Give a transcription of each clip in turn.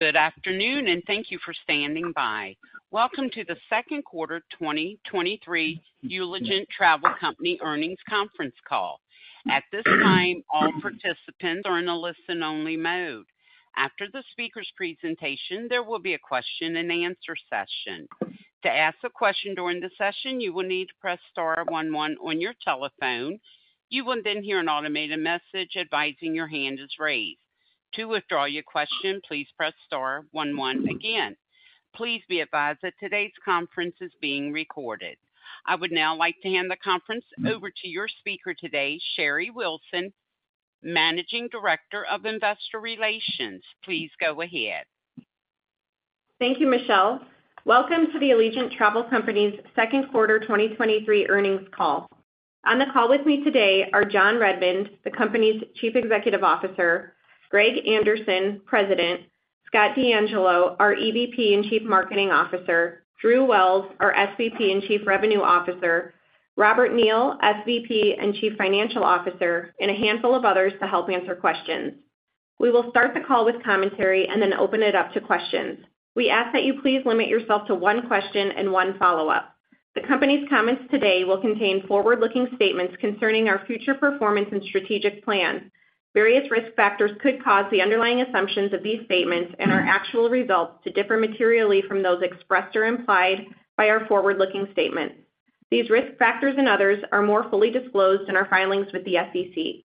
Good afternoon, thank you for standing by. Welcome to the Second Quarter 2023 Allegiant Travel Company Earnings Conference Call. At this time, all participants are in a listen-only mode. After the speaker's presentation, there will be a question-and-answer session. To ask a question during the session, you will need to press star one one on your telephone. You will hear an automated message advising your hand is raised. To withdraw your question, please press star one one again. Please be advised that today's conference is being recorded. I would now like to hand the conference over to your speaker today, Sherry Wilson, Managing Director of Investor Relations. Please go ahead. Thank you, Michelle. Welcome to the Allegiant Travel Company's Second Quarter 2023 earnings call. On the call with me today are John Redmond, the company's Chief Executive Officer, Gregory Anderson, President, Scott DeAngelo, our EVP and Chief Marketing Officer, Drew Wells, our SVP and Chief Revenue Officer, Robert Neal, SVP and Chief Financial Officer, and a handful of others to help answer questions. We will start the call with commentary and then open it up to questions. We ask that you please limit yourself to one question and one follow-up. The company's comments today will contain forward-looking statements concerning our future performance and strategic plans. Various risk factors could cause the underlying assumptions of these statements and our actual results to differ materially from those expressed or implied by our forward-looking statements. These risk factors and others are more fully disclosed in our filings with the SEC.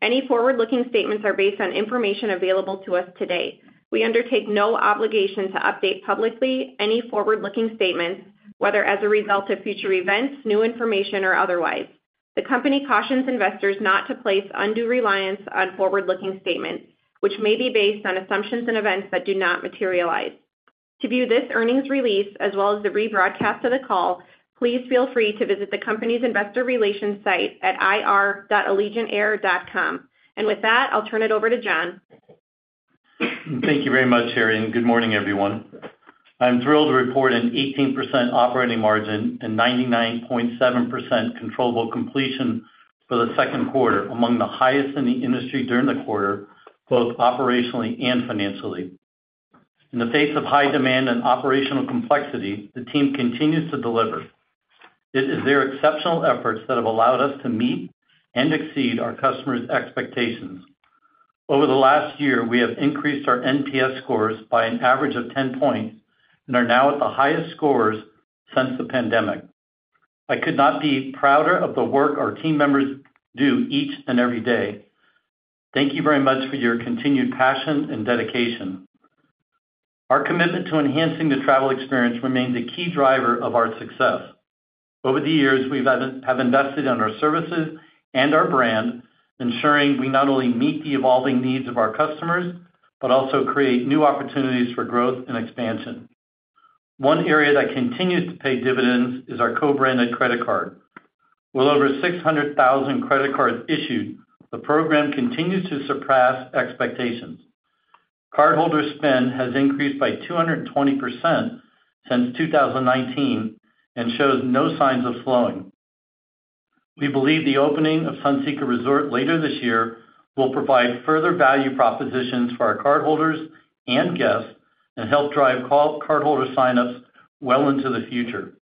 Any forward-looking statements are based on information available to us today. We undertake no obligation to update publicly any forward-looking statements, whether as a result of future events, new information, or otherwise. The company cautions investors not to place undue reliance on forward-looking statements, which may be based on assumptions and events that do not materialize. To view this earnings release, as well as the rebroadcast of the call, please feel free to visit the company's investor relations site at ir.allegiantair.com. With that, I'll turn it over to John. Thank you very much, Sherry, and good morning, everyone. I'm thrilled to report an 18% operating margin and 99.7% controllable completion for the Second Quarter, among the highest in the industry during the quarter, both operationally and financially. In the face of high demand and operational complexity, the team continues to deliver. It is their exceptional efforts that have allowed us to meet and exceed our customers' expectations. Over the last year, we have increased our NPS scores by an average of 10 points and are now at the highest scores since the pandemic. I could not be prouder of the work our team members do each and every day. Thank you very much for your continued passion and dedication. Our commitment to enhancing the travel experience remains a key driver of our success. Over the years, have invested in our services and our brand, ensuring we not only meet the evolving needs of our customers, but also create new opportunities for growth and expansion. One area that continues to pay dividends is our co-branded credit card. With over 600,000 credit cards issued, the program continues to surpass expectations. Cardholder spend has increased by 220% since 2019 and shows no signs of slowing. We believe the opening of Sunseeker Resort later this year will provide further value propositions for our cardholders and guests and help drive cardholder sign-ups well into the future.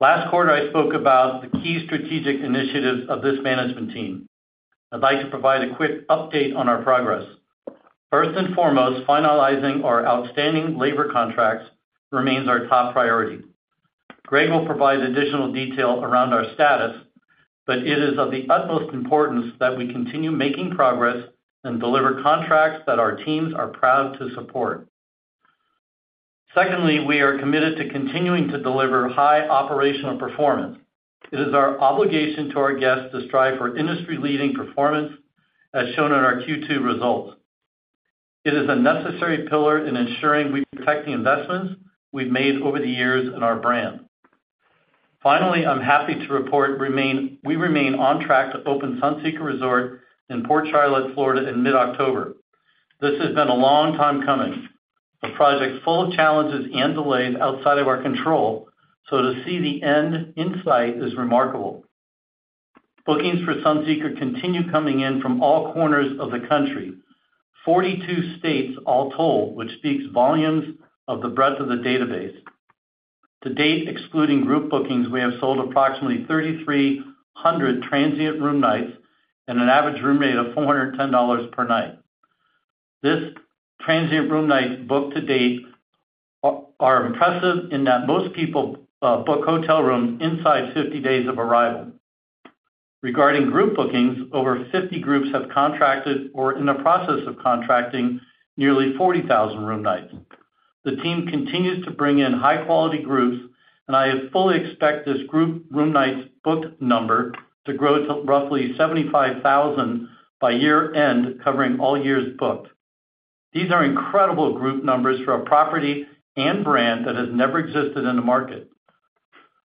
Last quarter, I spoke about the key strategic initiatives of this management team. I'd like to provide a quick update on our progress. First and foremost, finalizing our outstanding labor contracts remains our top priority. Greg will provide additional detail around our status, it is of the utmost importance that we continue making progress and deliver contracts that our teams are proud to support. Secondly, we are committed to continuing to deliver high operational performance. It is our obligation to our guests to strive for industry-leading performance, as shown in our Q2 results. It is a necessary pillar in ensuring we protect the investments we've made over the years in our brand. Finally, I'm happy to report we remain on track to open Sunseeker Resort in Port Charlotte, Florida, in mid-October. This has been a long time coming, a project full of challenges and delays outside of our control, to see the end in sight is remarkable. Bookings for Sunseeker continue coming in from all corners of the country, 42 states all told, which speaks volumes of the breadth of the database. To date, excluding group bookings, we have sold approximately 3,300 transient room nights and an average room rate of $410 per night. This transient room nights booked to date are impressive in that most people book hotel rooms inside 50 days of arrival. Regarding group bookings, over 50 groups have contracted or are in the process of contracting nearly 40,000 room nights. The team continues to bring in high-quality groups, and I fully expect this group room nights booked number to grow to roughly 75,000 by year-end, covering all years booked. These are incredible group numbers for a property and brand that has never existed in the market.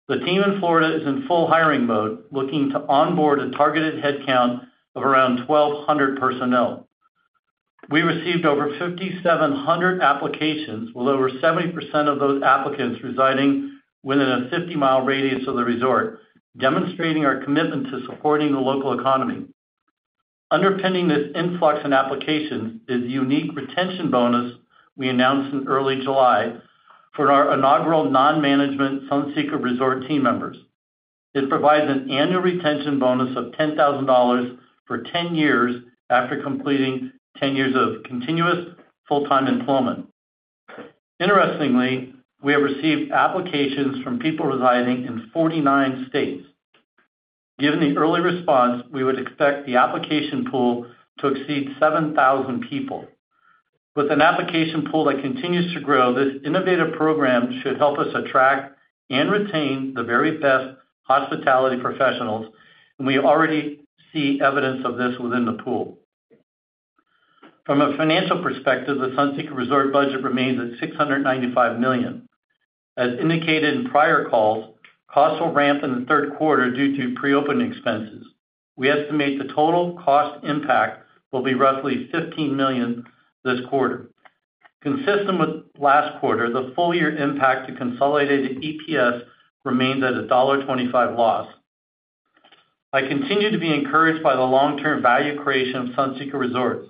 The team in Florida is in full hiring mode, looking to onboard a targeted headcount of around 1,200 personnel. We received over 5,700 applications, with over 70% of those applicants residing within a 50-mile radius of the Sunseeker Resort, demonstrating our commitment to supporting the local economy. Underpinning this influx in applications is the unique retention bonus we announced in early July for our inaugural non-management Sunseeker Resort team members. It provides an annual retention bonus of $10,000 for 10 years after completing 10 years of continuous full-time employment. Interestingly, we have received applications from people residing in 49 states. Given the early response, we would expect the application pool to exceed 7,000 people. With an application pool that continues to grow, this innovative program should help us attract and retain the very best hospitality professionals, and we already see evidence of this within the pool. From a financial perspective, the Sunseeker Resort budget remains at $695 million. As indicated in prior calls, costs will ramp in the Third Quarter due to pre-opening expenses. We estimate the total cost impact will be roughly $15 million this quarter. Consistent with last quarter, the full year impact to consolidated EPS remains at a $1.25 loss. I continue to be encouraged by the long-term value creation of Sunseeker Resorts.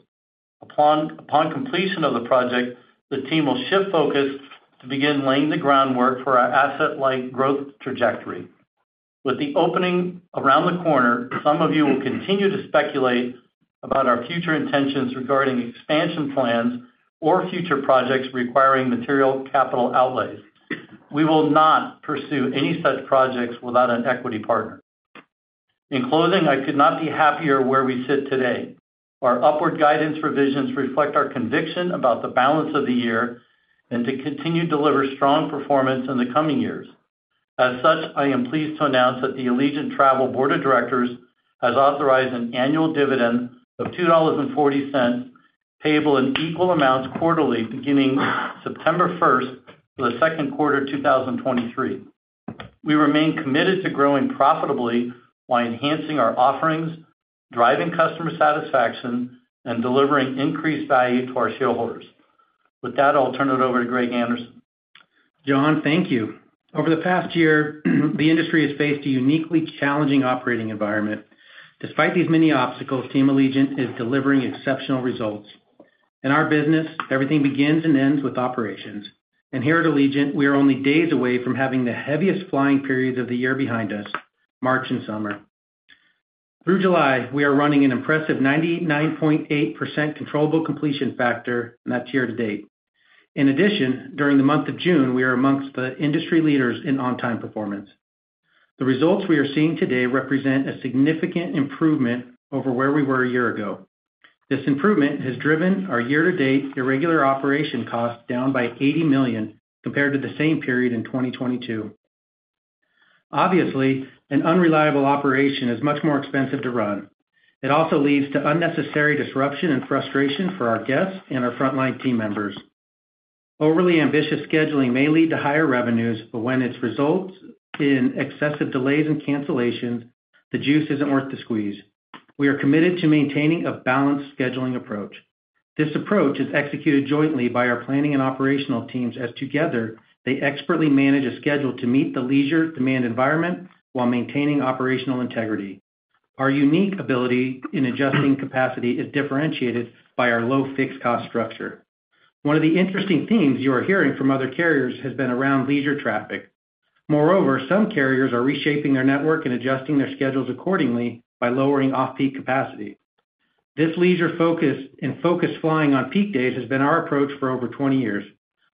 Upon completion of the project, the team will shift focus to begin laying the groundwork for our asset-light growth trajectory. With the opening around the corner, some of you will continue to speculate about our future intentions regarding expansion plans or future projects requiring material capital outlays. We will not pursue any such projects without an equity partner. In closing, I could not be happier where we sit today. Our upward guidance revisions reflect our conviction about the balance of the year and to continue to deliver strong performance in the coming years. As such, I am pleased to announce that the Allegiant Travel Board of Directors has authorized an annual dividend of $2.40, payable in equal amounts quarterly, beginning September 1, for the Second Quarter of 2023. We remain committed to growing profitably while enhancing our offerings, driving customer satisfaction, and delivering increased value to our shareholders. With that, I'll turn it over to Greg Anderson. John, thank you. Over the past year, the industry has faced a uniquely challenging operating environment. Despite these many obstacles, Team Allegiant is delivering exceptional results. In our business, everything begins and ends with operations, and here at Allegiant, we are only days away from having the heaviest flying periods of the year behind us, March and summer. Through July, we are running an impressive 99.8% controllable completion factor, and that's year-to-date. During the month of June, we are amongst the industry leaders in on-time performance. The results we are seeing today represent a significant improvement over where we were a year ago. This improvement has driven our year-to-date irregular operation costs down by $80 million compared to the same period in 2022. Obviously, an unreliable operation is much more expensive to run. It also leads to unnecessary disruption and frustration for our guests and our frontline team members. Overly ambitious scheduling may lead to higher revenues, but when it's result in excessive delays and cancellations, the juice isn't worth the squeeze. We are committed to maintaining a balanced scheduling approach. This approach is executed jointly by our planning and operational teams, as together, they expertly manage a schedule to meet the leisure demand environment while maintaining operational integrity. Our unique ability in adjusting capacity is differentiated by our low fixed cost structure. One of the interesting themes you are hearing from other carriers has been around leisure traffic. Some carriers are reshaping their network and adjusting their schedules accordingly by lowering off-peak capacity. This leisure focus and focus flying on peak days has been our approach for over 20 years.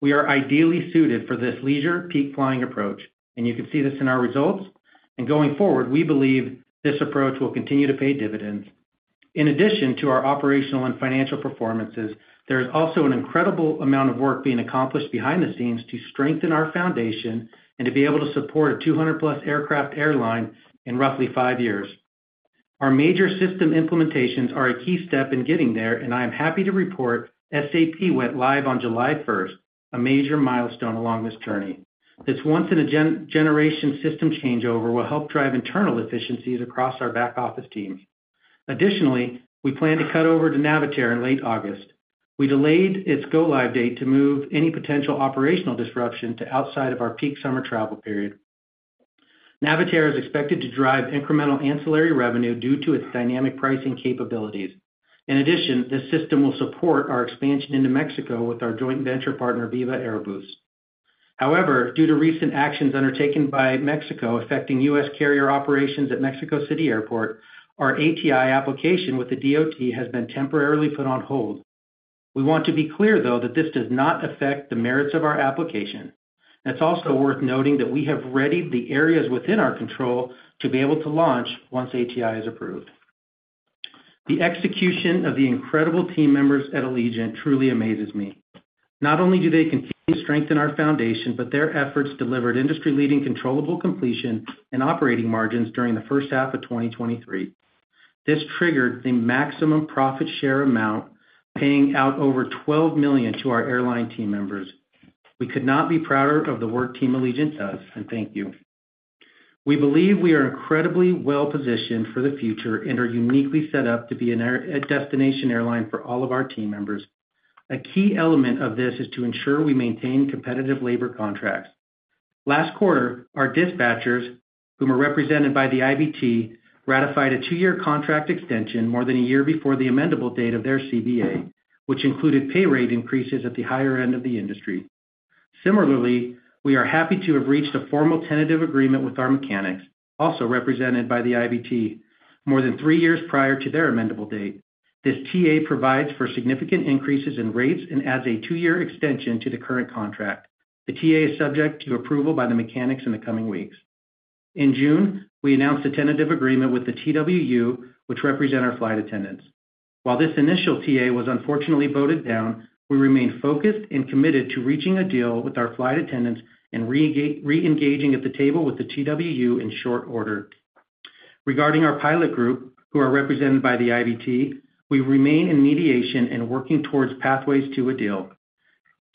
We are ideally suited for this leisure peak flying approach, and you can see this in our results. Going forward, we believe this approach will continue to pay dividends. In addition to our operational and financial performances, there is also an incredible amount of work being accomplished behind the scenes to strengthen our foundation and to be able to support a 200-plus aircraft airline in roughly 5 years. Our major system implementations are a key step in getting there, and I am happy to report SAP went live on July first, a major milestone along this journey. This once-in-a-generation system changeover will help drive internal efficiencies across our back office teams. Additionally, we plan to cut over to Navitaire in late August. We delayed its go-live date to move any potential operational disruption to outside of our peak summer travel period. Navitaire is expected to drive incremental ancillary revenue due to its dynamic pricing capabilities. In addition, this system will support our expansion into Mexico with our joint venture partner, Viva Aerobus. Due to recent actions undertaken by Mexico affecting U.S. carrier operations at Mexico City Airport, our ATI application with the DOT has been temporarily put on hold. We want to be clear, though, that this does not affect the merits of our application. It's also worth noting that we have readied the areas within our control to be able to launch once ATI is approved. The execution of the incredible team members at Allegiant truly amazes me. Not only do they continue to strengthen our foundation, but their efforts delivered industry-leading controllable completion and operating margins during the first half of 2023. This triggered the maximum profit share amount, paying out over $12 million to our airline team members. We could not be prouder of the work Team Allegiant does, and thank you. We believe we are incredibly well-positioned for the future and are uniquely set up to be a destination airline for all of our team members. A key element of this is to ensure we maintain competitive labor contracts. Last quarter, our dispatchers, whom are represented by the IBT, ratified a 2-year contract extension more than a year before the amendable date of their CBA, which included pay rate increases at the higher end of the industry. We are happy to have reached a formal tentative agreement with our mechanics, also represented by the IBT, more than 3 years prior to their amendable date. This TA provides for significant increases in rates and adds a two-year extension to the current contract. The TA is subject to approval by the mechanics in the coming weeks. In June, we announced a tentative agreement with the TWU, which represent our flight attendants. While this initial TA was unfortunately voted down, we remain focused and committed to reaching a deal with our flight attendants and reengaging at the table with the TWU in short order. Regarding our pilot group, who are represented by the IBT, we remain in mediation and working towards pathways to a deal.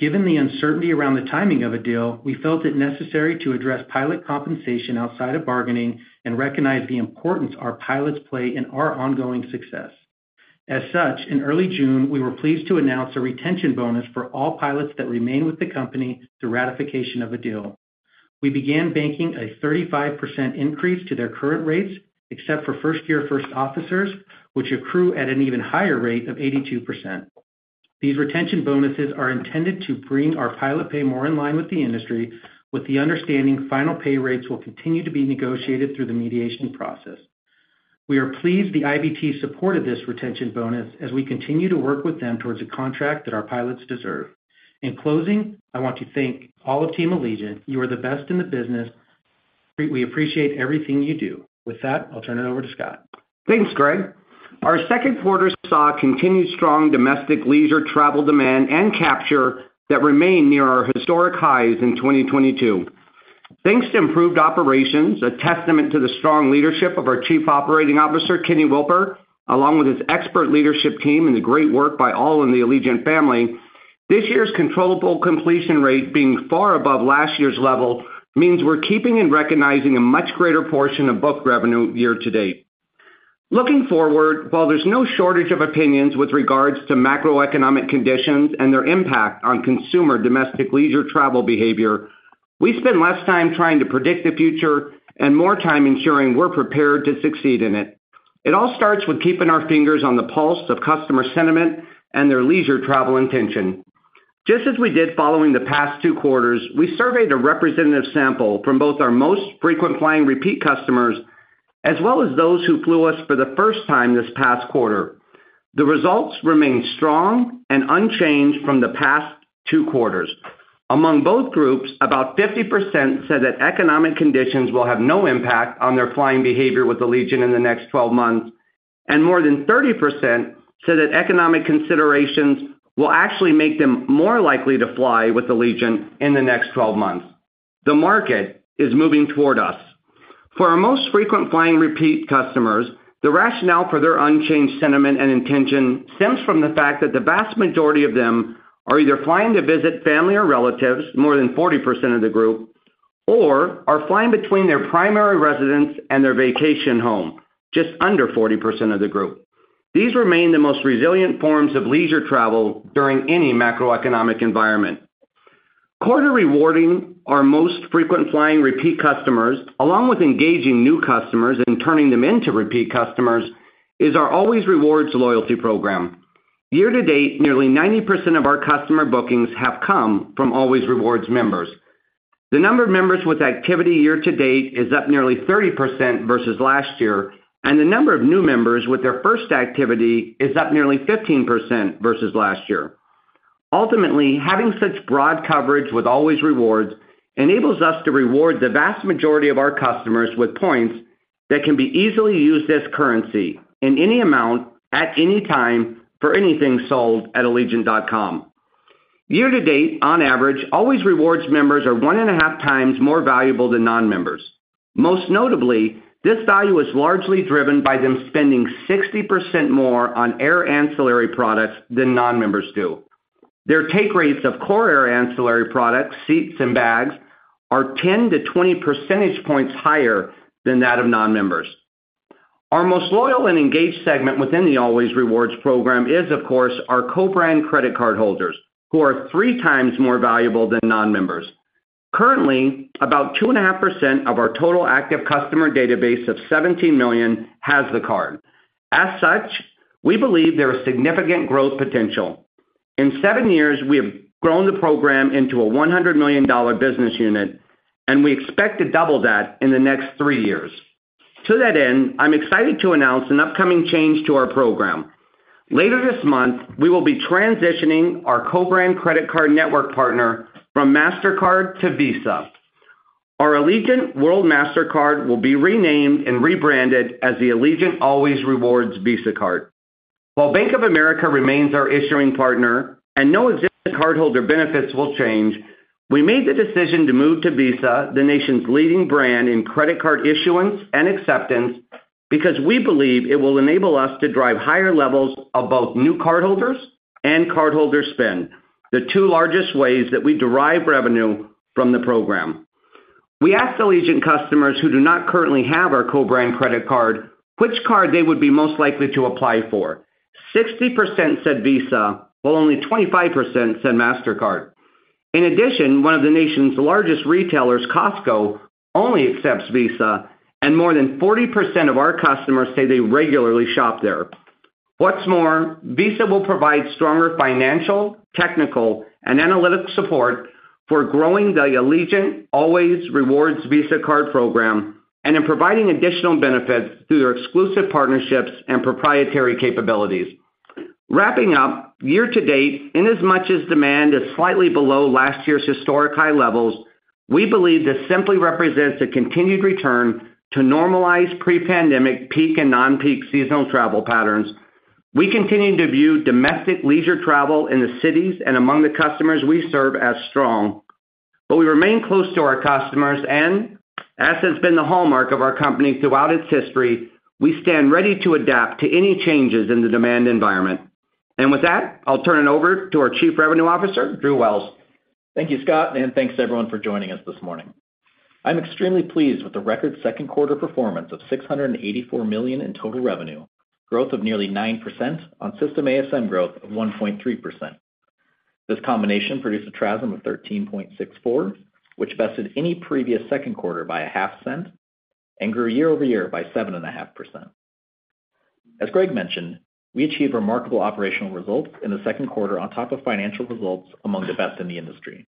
Given the uncertainty around the timing of a deal, we felt it necessary to address pilot compensation outside of bargaining and recognize the importance our pilots play in our ongoing success. As such, in early June, we were pleased to announce a retention bonus for all pilots that remain with the company through ratification of a deal. We began banking a 35% increase to their current rates, except for first-year first officers, which accrue at an even higher rate of 82%. These retention bonuses are intended to bring our pilot pay more in line with the industry, with the understanding final pay rates will continue to be negotiated through the mediation process. We are pleased the IBT supported this retention bonus as we continue to work with them towards a contract that our pilots deserve. In closing, I want to thank all of Team Allegiant. You are the best in the business. We appreciate everything you do. With that, I'll turn it over to Scott. Thanks, Greg. Our Second Quarter saw continued strong domestic leisure travel demand and capture that remained near our historic highs in 2022. Thanks to improved operations, a testament to the strong leadership of our Chief Operating Officer, Ken Wilpert, along with his expert leadership team and the great work by all in the Allegiant family, this year's controllable completion rate being far above last year's level means we're keeping and recognizing a much greater portion of booked revenue year to date. Looking forward, while there's no shortage of opinions with regards to macroeconomic conditions and their impact on consumer domestic leisure travel behavior, we spend less time trying to predict the future and more time ensuring we're prepared to succeed in it. It all starts with keeping our fingers on the pulse of customer sentiment and their leisure travel intention. Just as we did following the past two quarters, we surveyed a representative sample from both our most frequent flying repeat customers, as well as those who flew us for the first time this past quarter. The results remain strong and unchanged from the past two quarters. Among both groups, about 50% said that economic conditions will have no impact on their flying behavior with Allegiant in the next 12 months, and more than 30% said that economic considerations will actually make them more likely to fly with Allegiant in the next 12 months. The market is moving toward us. For our most frequent flying repeat customers, the rationale for their unchanged sentiment and intention stems from the fact that the vast majority of them are either flying to visit family or relatives, more than 40% of the group, or are flying between their primary residence and their vacation home, just under 40% of the group. These remain the most resilient forms of leisure travel during any macroeconomic environment. Quarter rewarding our most frequent flying repeat customers, along with engaging new customers and turning them into repeat customers, is our Allways Rewards loyalty program. Year to date, nearly 90% of our customer bookings have come from Allways Rewards members. The number of members with activity year to date is up nearly 30% versus last year, and the number of new members with their first activity is up nearly 15% versus last year. Ultimately, having such broad coverage with Allways Rewards enables us to reward the vast majority of our customers with points that can be easily used as currency in any amount, at any time, for anything sold at allegiant.com. Year to date, on average, Allways Rewards members are 1.5 times more valuable than non-members. Most notably, this value is largely driven by them spending 60% more on air ancillary products than non-members do. Their take rates of core air ancillary products, seats and bags, are 10-20 percentage points higher than that of non-members. Our most loyal and engaged segment within the Allways Rewards program is, of course, our co-brand credit card holders, who are 3 times more valuable than non-members. Currently, about 2.5% of our total active customer database of 17 million has the card. As such, we believe there is significant growth potential. In 7 years, we have grown the program into a $100 million business unit, and we expect to double that in the next 3 years. To that end, I'm excited to announce an upcoming change to our program. Later this month, we will be transitioning our co-brand credit card network partner from Mastercard to Visa. Our Allegiant World Mastercard will be renamed and rebranded as the Allegiant Allways Rewards Visa Card. While Bank of America remains our issuing partner and no existing cardholder benefits will change, we made the decision to move to Visa, the nation's leading brand in credit card issuance and acceptance, because we believe it will enable us to drive higher levels of both new cardholders and cardholder spend, the 2 largest ways that we derive revenue from the program. We asked Allegiant customers who do not currently have our co-brand credit card, which card they would be most likely to apply for? 60% said Visa, while only 25% said Mastercard. In addition, 1 of the nation's largest retailers, Costco, only accepts Visa, and more than 40% of our customers say they regularly shop there. What's more, Visa will provide stronger financial, technical, and analytic support for growing the Allegiant Allways Rewards Visa Card program, and in providing additional benefits through their exclusive partnerships and proprietary capabilities. Wrapping up, year-to-date, inasmuch as demand is slightly below last year's historic high levels, we believe this simply represents a continued return to normalized pre-pandemic peak and non-peak seasonal travel patterns. We continue to view domestic leisure travel in the cities and among the customers we serve as strong. We remain close to our customers, and as has been the hallmark of our company throughout its history, we stand ready to adapt to any changes in the demand environment. With that, I'll turn it over to our Chief Revenue Officer, Drew Wells. Thank you, Scott. Thanks everyone for joining us this morning. I'm extremely pleased with the record Second Quarter performance of $684 million in total revenue, growth of nearly 9% on system ASM growth of 1.3%. This combination produced a TRASM of 13.64, which bested any previous Second Quarter by $0.005 and grew year-over-year by 7.5%. As Greg mentioned, we achieved remarkable operational results in the Second Quarter on top of financial results among the best in the industry.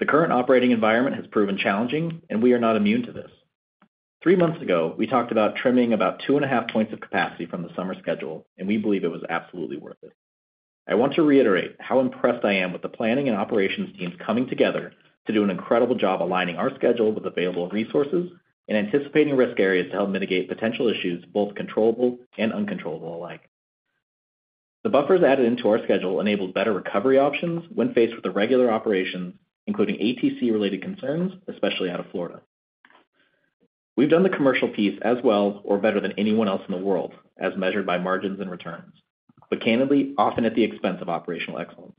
The current operating environment has proven challenging, we are not immune to this. Three months ago, we talked about trimming about 2.5 points of capacity from the summer schedule, we believe it was absolutely worth it. I want to reiterate how impressed I am with the planning and operations teams coming together to do an incredible job aligning our schedule with available resources and anticipating risk areas to help mitigate potential issues, both controllable and uncontrollable alike. The buffers added into our schedule enabled better recovery options when faced with irregular operations, including ATC-related concerns, especially out of Florida. We've done the commercial piece as well or better than anyone else in the world, as measured by margins and returns, but candidly, often at the expense of operational excellence.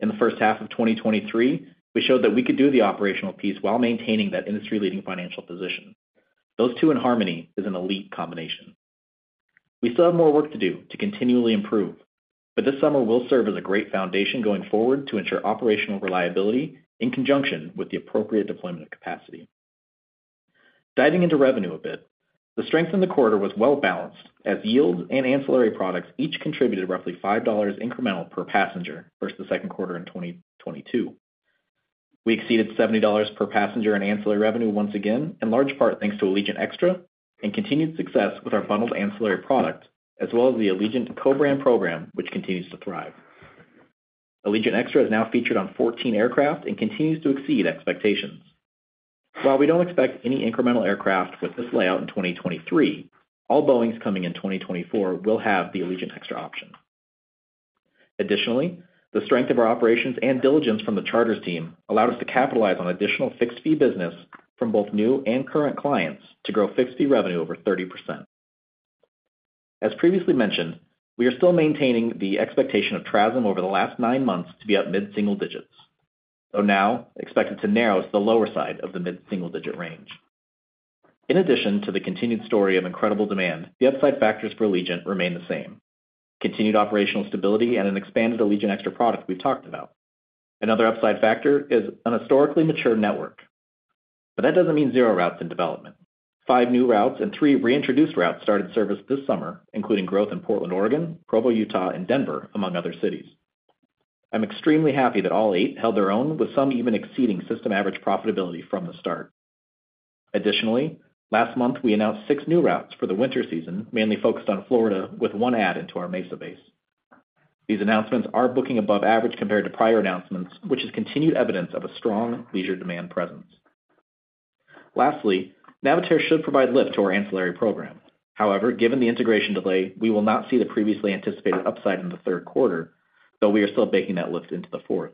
In the first half of 2023, we showed that we could do the operational piece while maintaining that industry-leading financial position. Those two in harmony is an elite combination. We still have more work to do to continually improve, but this summer will serve as a great foundation going forward to ensure operational reliability in conjunction with the appropriate deployment of capacity. Diving into revenue a bit, the strength in the quarter was well-balanced, as yields and ancillary products each contributed roughly $5 incremental per passenger versus the Second Quarter in 2022. We exceeded $70 per passenger in ancillary revenue once again, in large part thanks to Allegiant Extra and continued success with the bundled ancillary product, as well as the Allegiant co-brand program, which continues to thrive. Allegiant Extra is now featured on 14 aircraft and continues to exceed expectations. While we don't expect any incremental aircraft with this layout in 2023, all Boeings coming in 2024 will have the Allegiant Extra option. Additionally, the strength of our operations and diligence from the charters team allowed us to capitalize on additional fixed-fee business from both new and current clients to grow fixed-fee revenue over 30%. As previously mentioned, we are still maintaining the expectation of TRASM over the last 9 months to be up mid-single digits, though now expected to narrow to the lower side of the mid-single-digit range. In addition to the continued story of incredible demand, the upside factors for Allegiant remain the same: continued operational stability and an expanded Allegiant Extra product we've talked about. Another upside factor is an historically mature network, but that doesn't mean zero routes in development. 5 new routes and 3 reintroduced routes started service this summer, including growth in Portland, Oregon, Provo, Utah, and Denver, among other cities. I'm extremely happy that all 8 held their own, with some even exceeding system average profitability from the start. Additionally, last month, we announced 6 new routes for the winter season, mainly focused on Florida, with 1 add into our Mesa base. These announcements are booking above average compared to prior announcements, which is continued evidence of a strong leisure demand presence. Lastly, Navitaire should provide lift to our ancillary program. However, given the integration delay, we will not see the previously anticipated upside in the Third Quarter, though we are still baking that lift into the fourth.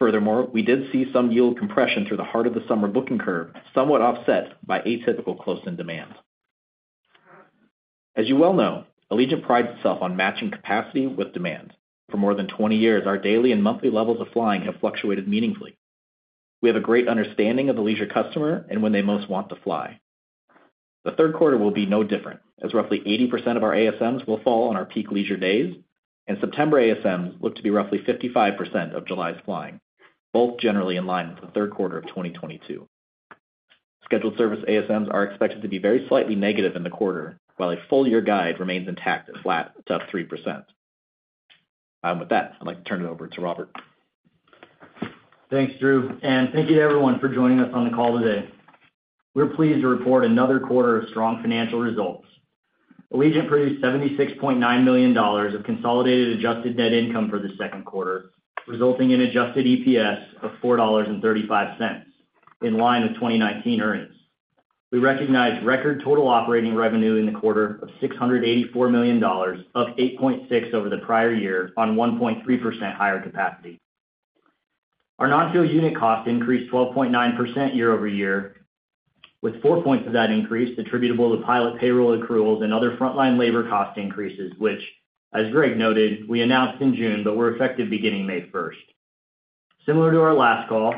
Furthermore, we did see some yield compression through the heart of the summer booking curve, somewhat offset by atypical close-in demand. As you well know, Allegiant prides itself on matching capacity with demand. For more than 20 years, our daily and monthly levels of flying have fluctuated meaningfully. We have a great understanding of the leisure customer and when they most want to fly. The Third Quarter will be no different, as roughly 80% of our ASMs will fall on our peak leisure days, and September ASMs look to be roughly 55% of July's flying, both generally in line with the Third Quarter of 2022. Scheduled service ASMs are expected to be very slightly negative in the quarter, while a full year guide remains intact and flat to up 3%. With that, I'd like to turn it over to Robert. Thanks, Drew, and thank you to everyone for joining us on the call today. We're pleased to report another quarter of strong financial results. Allegiant produced $76.9 million of consolidated adjusted net income for the Second Quarter, resulting in adjusted EPS of $4.35, in line with 2019 earnings. We recognized record total operating revenue in the quarter of $684 million, up 8.6 over the prior year on 1.3% higher capacity. Our non-fuel unit cost increased 12.9% year-over-year, with four points of that increase attributable to pilot payroll accruals and other frontline labor cost increases, which, as Greg noted, we announced in June, but were effective beginning May first. Similar to our last call,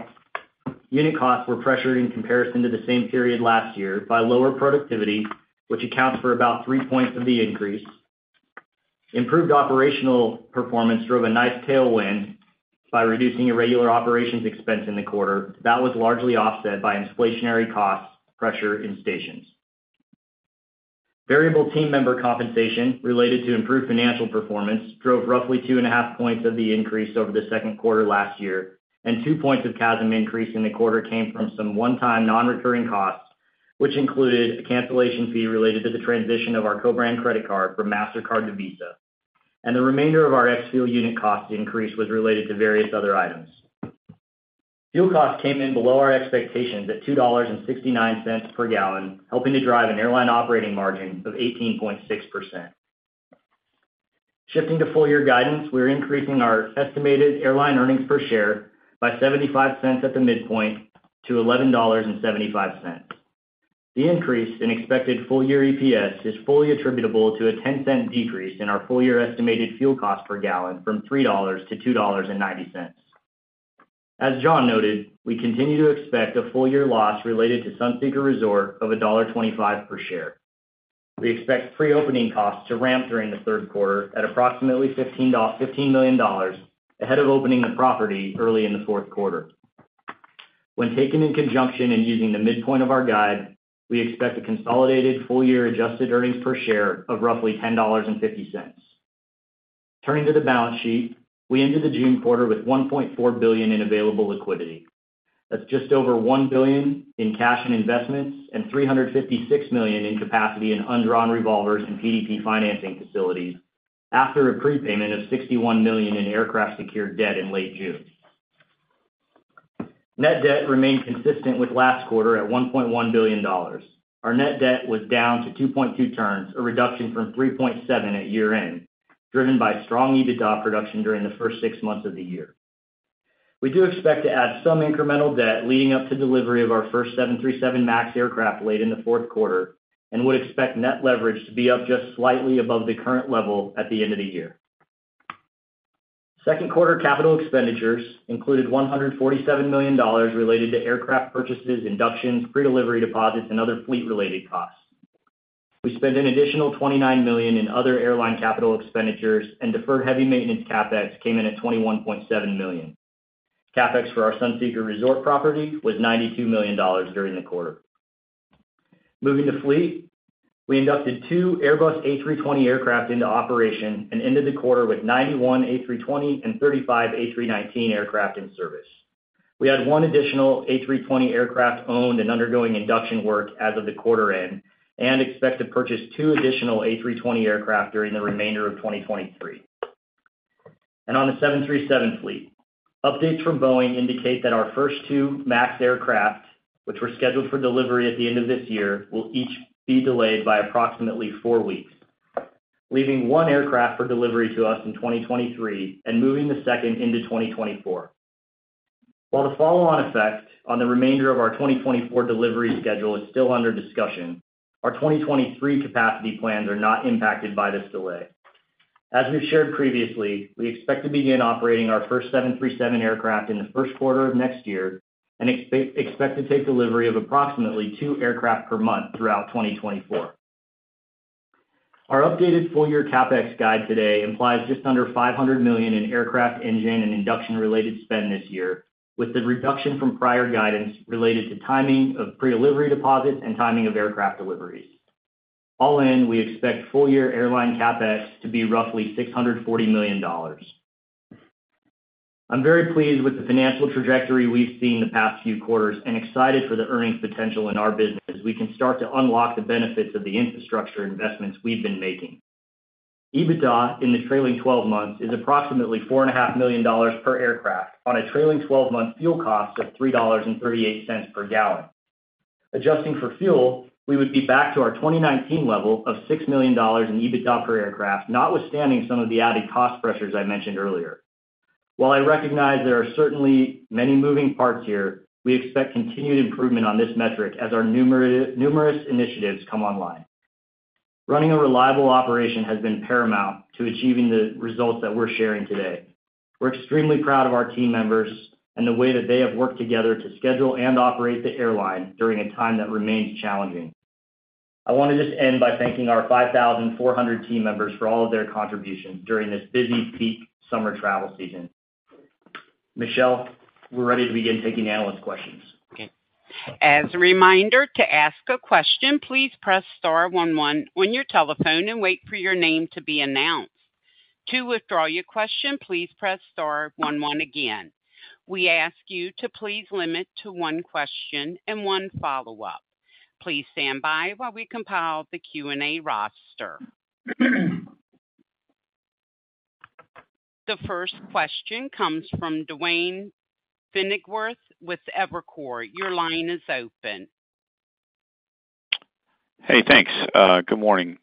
unit costs were pressured in comparison to the same period last year by lower productivity, which accounts for about 3 points of the increase. Improved operational performance drove a nice tailwind by reducing irregular operations expense in the quarter. That was largely offset by inflationary costs pressure in stations. Variable team member compensation related to improved financial performance drove roughly 2.5 points of the increase over the Second Quarter last year, and 2 points of CASM increase in the quarter came from some one-time, non-recurring costs, which included a cancellation fee related to the transition of our co-brand credit card from Mastercard to Visa. The remainder of our ex-fuel unit cost increase was related to various other items. Fuel costs came in below our expectations at $2.69 per gallon, helping to drive an airline operating margin of 18.6%. Shifting to full-year guidance, we are increasing our estimated airline earnings per share by $0.75 at the midpoint to $11.75. The increase in expected full-year EPS is fully attributable to a $0.10 decrease in our full-year estimated fuel cost per gallon from $3.00 to $2.90. As John noted, we continue to expect a full-year loss related to Sunseeker Resort of $1.25 per share. We expect pre-opening costs to ramp during the Third Quarter at approximately $15 million, ahead of opening the property early in the Fourth Quarter. When taken in conjunction and using the midpoint of our guide, we expect a consolidated full-year adjusted earnings per share of roughly $10.50. Turning to the balance sheet, we ended the June quarter with $1.4 billion in available liquidity. That's just over $1 billion in cash and investments, and $356 million in capacity and undrawn revolvers and PDP financing facilities, after a prepayment of $61 million in aircraft-secured debt in late June. Net debt remained consistent with last quarter at $1.1 billion. Our net debt was down to 2.2 turns, a reduction from 3.7 at year-end, driven by strong EBITDA production during the first six months of the year. We do expect to add some incremental debt leading up to delivery of our first 737 MAX aircraft late in the Fourth Quarter. Would expect net leverage to be up just slightly above the current level at the end of the year. Second quarter capital expenditures included $147 million related to aircraft purchases, inductions, pre-delivery deposits, and other fleet-related costs. We spent an additional $29 million in other airline capital expenditures. Deferred heavy maintenance CapEx came in at $21.7 million. CapEx for our Sunseeker Resort property was $92 million during the quarter. Moving to fleet, we inducted 2 Airbus A320 aircraft into operation. Ended the quarter with 91 A320 and 35 A319 aircraft in service. We had 1 additional A320 aircraft owned and undergoing induction work as of the quarter end. Expect to purchase 2 additional A320 aircraft during the remainder of 2023. On the 737 fleet, updates from Boeing indicate that our first 2 MAX aircraft, which were scheduled for delivery at the end of this year, will each be delayed by approximately 4 weeks, leaving 1 aircraft for delivery to us in 2023 and moving the second into 2024. While the follow-on effect on the remainder of our 2024 delivery schedule is still under discussion, our 2023 capacity plans are not impacted by this delay. As we've shared previously, we expect to begin operating our first 737 aircraft in the First Quarter of next year and expect to take delivery of approximately 2 aircraft per month throughout 2024. Our updated full-year CapEx guide today implies just under $500 million in aircraft engine and induction-related spend this year, with the reduction from prior guidance related to timing of pre-delivery deposits and timing of aircraft deliveries. All in, we expect full-year airline CapEx to be roughly $640 million. I'm very pleased with the financial trajectory we've seen the past few quarters and excited for the earnings potential in our business as we can start to unlock the benefits of the infrastructure investments we've been making. EBITDA in the trailing 12 months is approximately $4.5 million per aircraft on a trailing 12-month fuel cost of $3.38 per gallon. Adjusting for fuel, we would be back to our 2019 level of $6 million in EBITDA per aircraft, notwithstanding some of the added cost pressures I mentioned earlier. While I recognize there are certainly many moving parts here, we expect continued improvement on this metric as our numerous initiatives come online. Running a reliable operation has been paramount to achieving the results that we're sharing today. We're extremely proud of our team members and the way that they have worked together to schedule and operate the airline during a time that remains challenging. I want to just end by thanking our 5,400 team members for all of their contributions during this busy peak summer travel season. Michelle, we're ready to begin taking analyst questions. Okay. As a reminder to ask a question, please press star one one on your telephone and wait for your name to be announced. To withdraw your question, please press star one one again. We ask you to please limit to one question and one follow-up. Please stand by while we compile the Q&A roster. The first question comes from Duane Pfennigwerth with Evercore. Your line is open. Hey, thanks. Good morning.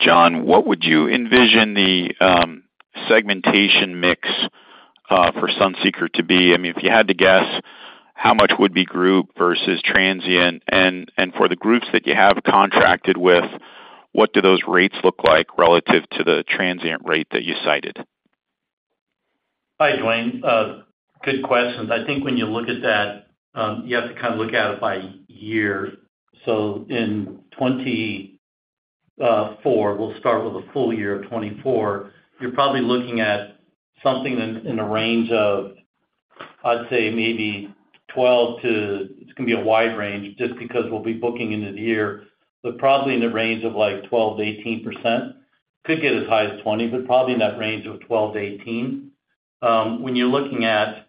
John, what would you envision the, segmentation mix, for Sunseeker to be? I mean, if you had to guess how much would be group versus transient? And for the groups that you have contracted with, what do those rates look like relative to the transient rate that you cited? Hi, Duane. Good questions. I think when you look at that, you have to kind of look at it by year. In 2024, we'll start with a full year of 2024, you're probably looking at something in, in the range of, I'd say maybe it's going to be a wide range just because we'll be booking into the year, but probably in the range of like 12%-18%. Could get as high as 20, but probably in that range of 12%-18%. When you're looking at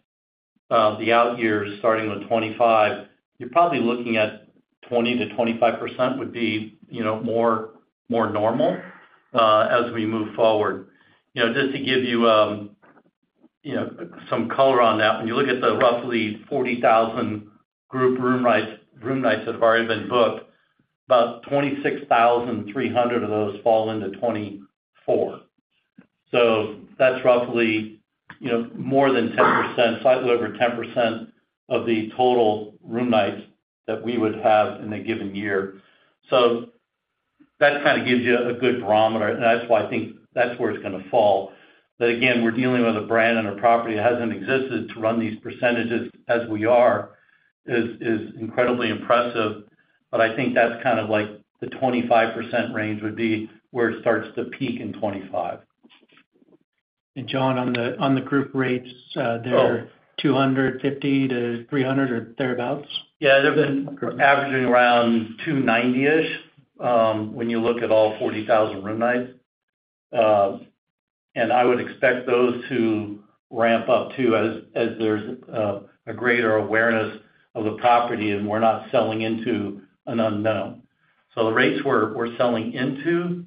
the out years starting with 2025, you're probably looking at 20%-25% would be, you know, more, more normal as we move forward. You know, just to give you, you know, some color on that, when you look at the roughly 40,000 group room nights, room nights that have already been booked, about 26,300 of those fall into 2024. That's roughly, you know, more than 10%, slightly over 10% of the total room nights that we would have in a given year. That kind of gives you a good barometer, and that's why I think that's where it's going to fall. Again, we're dealing with a brand and a property that hasn't existed to run these percentages as we are, is, is incredibly impressive. I think that's kind of like the 25% range would be where it starts to peak in 2025. John, on the, on the group rates, they're $250-$300 or thereabouts? Yeah, they've been averaging around 290-ish when you look at all 40,000 room nights. I would expect those to ramp up too, as there's a greater awareness of the property and we're not selling into an unknown. The rates we're, we're selling into,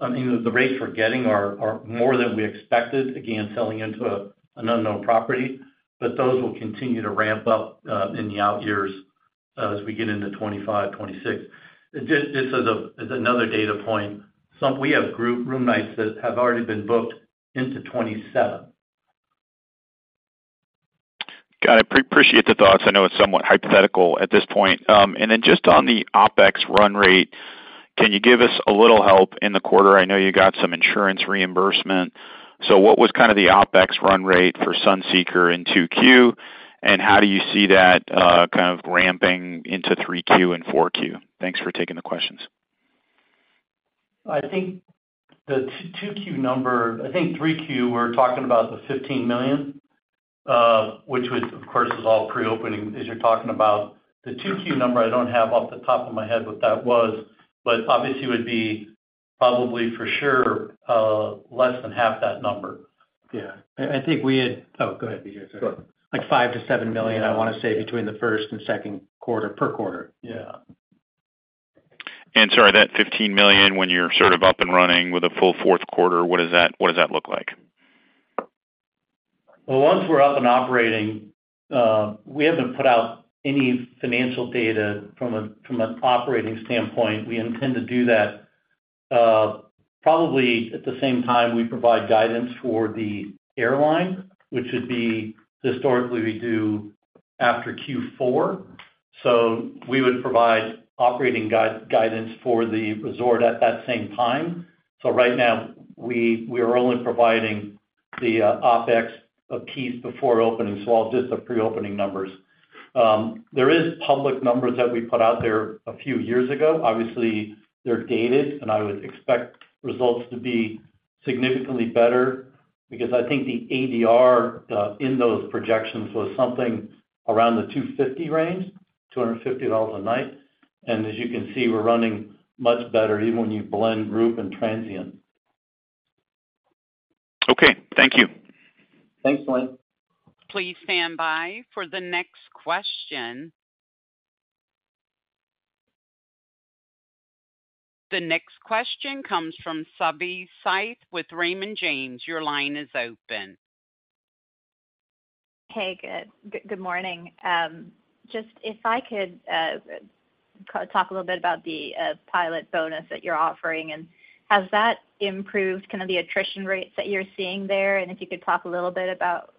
I mean, the rates we're getting are more than we expected. Again, selling into an unknown property, but those will continue to ramp up in the out years as we get into 2025, 2026. Just as another data point, we have group room nights that have already been booked into 2027. Got it. Appreciate the thoughts. I know it's somewhat hypothetical at this point. Then just on the OpEx run rate, can you give us a little help in the quarter? I know you got some insurance reimbursement. What was kind of the OpEx run rate for Sunseeker in two Q, and how do you see that kind of ramping into 3Q and 4Q? Thanks for taking the questions. I think three Q, we're talking about the $15 million, which was, of course, is all pre-opening, as you're talking about. The 2Q number, I don't have off the top of my head what that was, but obviously, would be probably for sure, less than half that number. Yeah. I, I think we had... Oh, go ahead. Sure. Like $5 million-$7 million, I want to say, between the first and Second Quarter, per quarter. Yeah. Sorry, that $15 million, when you're sort of up and running with a full Fourth Quarter, what does that, what does that look like? Well, once we're up and operating, we haven't put out any financial data from an operating standpoint. We intend to do that, probably at the same time we provide guidance for the airline, which would be historically, we do after Q4. We would provide operating guidance for the resort at that same time. Right now, we are only providing the OpEx piece before opening. All just the pre-opening numbers. There is public numbers that we put out there a few years ago. Obviously, they're dated, and I would expect results to be significantly better because I think the ADR in those projections was something around the $250 range, $250 a night. As you can see, we're running much better even when you blend group and transient. Okay, thank you. Thanks, Duane. Please stand by for the next question. The next question comes from Savi Syth with Raymond James. Your line is open. Hey, good. Good morning. Just if I could talk a little bit about the pilot bonus that you're offering, has that improved kind of the attrition rates that you're seeing there? If you could talk a little bit about,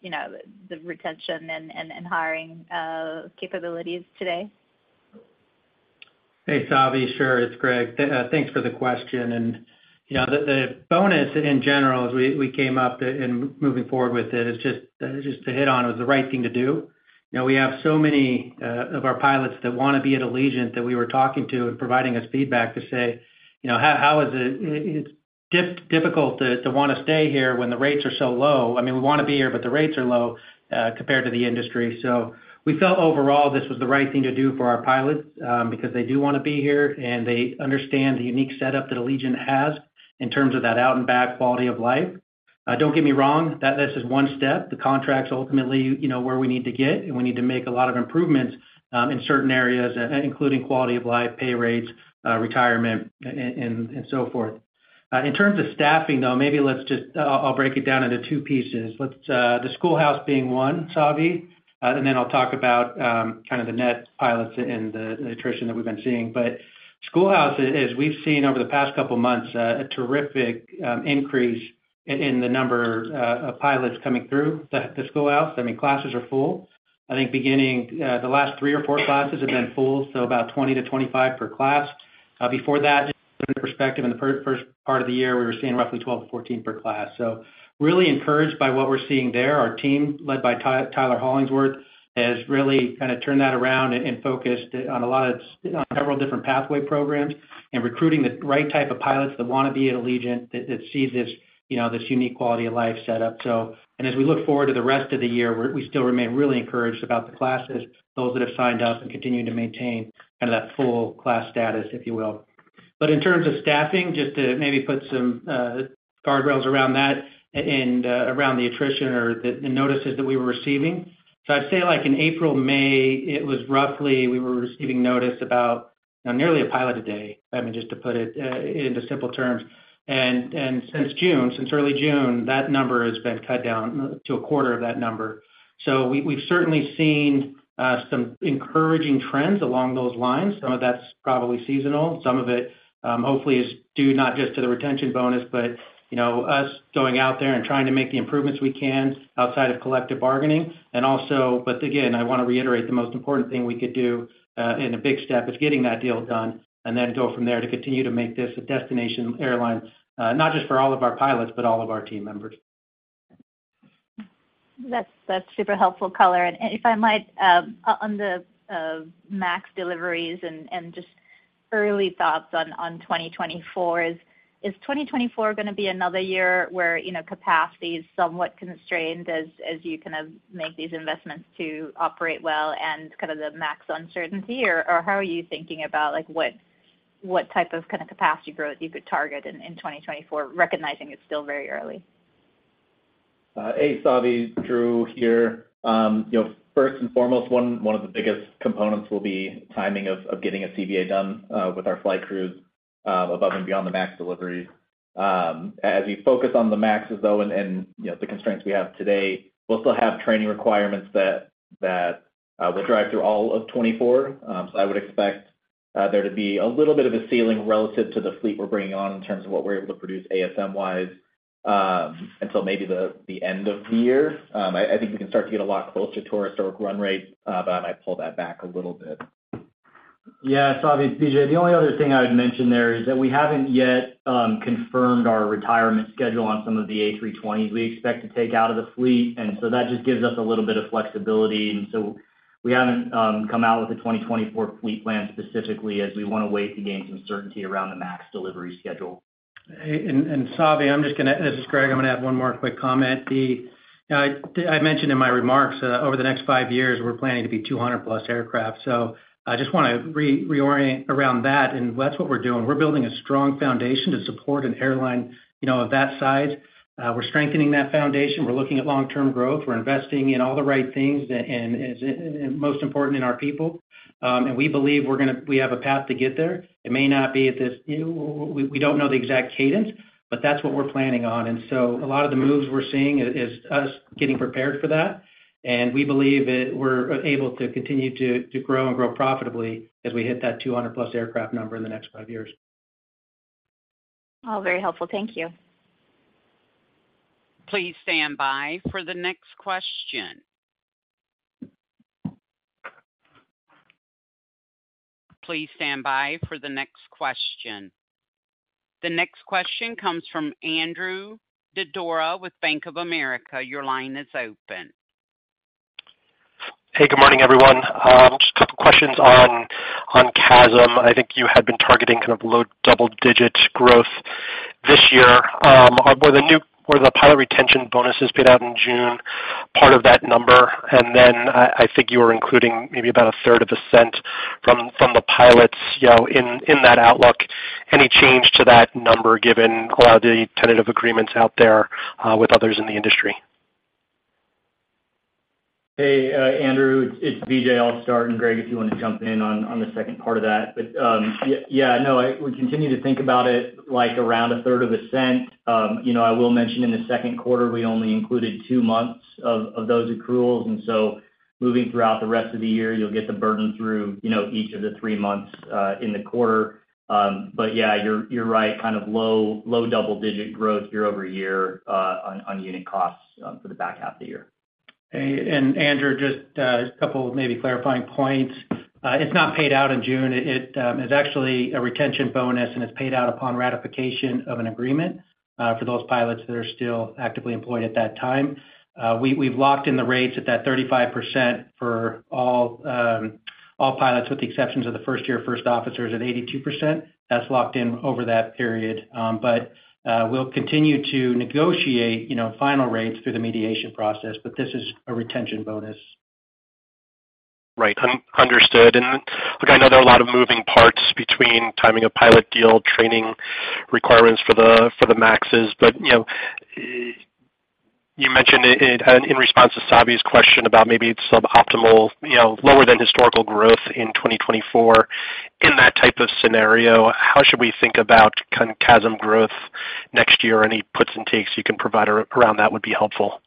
you know, the retention and, and hiring capabilities today? Hey, Savi. Sure, it's Greg. thanks for the question. You know, the, the bonus in general, as we, we came up and moving forward with it, is just to hit on, it was the right thing to do. You know, we have so many of our pilots that want to be at Allegiant, that we were talking to and providing us feedback to say, "You know, how, how is it difficult to, to want to stay here when the rates are so low. I mean, we want to be here, but the rates are low compared to the industry." We felt overall this was the right thing to do for our pilots, because they do want to be here, and they understand the unique setup that Allegiant has in terms of that out-and-back quality of life. Don't get me wrong, that this is one step. The contract's ultimately, you know, where we need to get, and we need to make a lot of improvements in certain areas, including quality of life, pay rates, retirement, and so forth. In terms of staffing, though, maybe let's just I'll break it down into 2 pieces. Let's the Schoolhouse being one, Savi, and then I'll talk about kind of the net pilots and the attrition that we've been seeing. Schoolhouse, as we've seen over the past couple of months, a terrific increase in the number of pilots coming through the schoolhouse. I mean, classes are full. I think beginning the last 3 or 4 classes have been full, so about 20-25 per class. Before that, just for perspective, in the first, first part of the year, we were seeing roughly 12 to 14 per class. Really encouraged by what we're seeing there. Our team, led by Ty- Tyler Hollingsworth, has really kind of turned that around and focused on a lot of, on several different pathway programs and recruiting the right type of pilots that wanna be at Allegiant, that, that sees this, you know, this unique quality of life setup. As we look forward to the rest of the year, we're-- we still remain really encouraged about the classes, those that have signed up and continuing to maintain kind of that full class status, if you will. In terms of staffing, just to maybe put some guardrails around that and around the attrition or the, the notices that we were receiving. I'd say, like, in April, May, it was roughly, we were receiving notice about, you know, nearly a pilot a day, I mean, just to put it into simple terms. Since June, since early June, that number has been cut down to a quarter of that number. We, we've certainly seen some encouraging trends along those lines. Some of that's probably seasonal. Some of it, hopefully is due not just to the retention bonus, but, you know, us going out there and trying to make the improvements we can outside of collective bargaining. But again, I wanna reiterate, the most important thing we could do, in a big step, is getting that deal done, and then go from there to continue to make this a destination airline, not just for all of our pilots, but all of our team members. That's, that's super helpful color. If I might, on the MAX deliveries and, and just early thoughts on, on 2024. Is 2024 gonna be another year where, you know, capacity is somewhat constrained as, as you kind of make these investments to operate well and kind of the MAX uncertainty? How are you thinking about, like, what, what type of kind of capacity growth you could target in, in 2024, recognizing it's still very early? Hey, Savi, Drew here. You know, one of the biggest components will be timing of getting a CBA done with our flight crews, above and beyond the MAX delivery. As we focus on the MAXs, though, and, you know, the constraints we have today, we'll still have training requirements that will drive through all of 2024. So I would expect there to be a little bit of a ceiling relative to the fleet we're bringing on in terms of what we're able to produce ASM-wise, until maybe the end of the year. I think we can start to get a lot closer to our historical run rate, but I might pull that back a little bit. Yeah, Savi, it's BJ. The only other thing I would mention there is that we haven't yet confirmed our retirement schedule on some of the A320s we expect to take out of the fleet, and so that just gives us a little bit of flexibility. So we haven't come out with a 2024 fleet plan specifically, as we wanna wait to gain some certainty around the MAX delivery schedule. Hey, Savi, I'm just gonna, this is Greg, I'm gonna add one more quick comment. The, I, I mentioned in my remarks, over the next 5 years, we're planning to be 200-plus aircraft. I just wanna re- reorient around that, and that's what we're doing. We're building a strong foundation to support an airline, you know, of that size. We're strengthening that foundation. We're looking at long-term growth. We're investing in all the right things, and, and, and most important, in our people. We believe we're gonna we have a path to get there. We, we don't know the exact cadence, but that's what we're planning on. So a lot of the moves we're seeing is, is us getting prepared for that, and we believe that we're able to continue to, to grow and grow profitably as we hit that 200-plus aircraft number in the next five years. All very helpful. Thank you. Please stand by for the next question. Please stand by for the next question. The next question comes from Andrew Didora with Bank of America. Your line is open. Hey, good morning, everyone. Just a couple questions on CASM. I think you had been targeting kind of low double-digit growth this year. Were the new, were the pilot retention bonuses paid out in June part of that number? Then I think you were including maybe about $0.0033 from the pilots, you know, in that outlook. Any change to that number, given all the tentative agreements out there with others in the industry? Hey, Andrew, it's, it's BJ. I'll start, and Greg, if you wanna jump in on the second part of that. Yeah, no, we continue to think about it like around a third of a cent. You know, I will mention in the Second Quarter, we only included 2 months of those accruals, and so moving throughout the rest of the year, you'll get the burden through, you know, each of the 3 months in the quarter. Yeah, you're, you're right, kind of low, low double-digit growth year-over-year on unit costs for the back half of the year. Hey, Andrew, just a couple of maybe clarifying points. It's not paid out in June. It is actually a retention bonus, and it's paid out upon ratification of an agreement for those pilots that are still actively employed at that time. We, we've locked in the rates at that 35% for all all pilots, with the exceptions of the first year, first officers at 82%. That's locked in over that period. But, we'll continue to negotiate, you know, final rates through the mediation process, but this is a retention bonus. Right. Understood. Look, I know there are a lot of moving parts between timing of pilot deal, training requirements for the, for the MAXs, but, you know, you mentioned it in response to Savi's question about maybe it's suboptimal, you know, lower than historical growth in 2024. In that type of scenario, how should we think about kind of CASM growth next year? Any puts and takes you can provide around that would be helpful.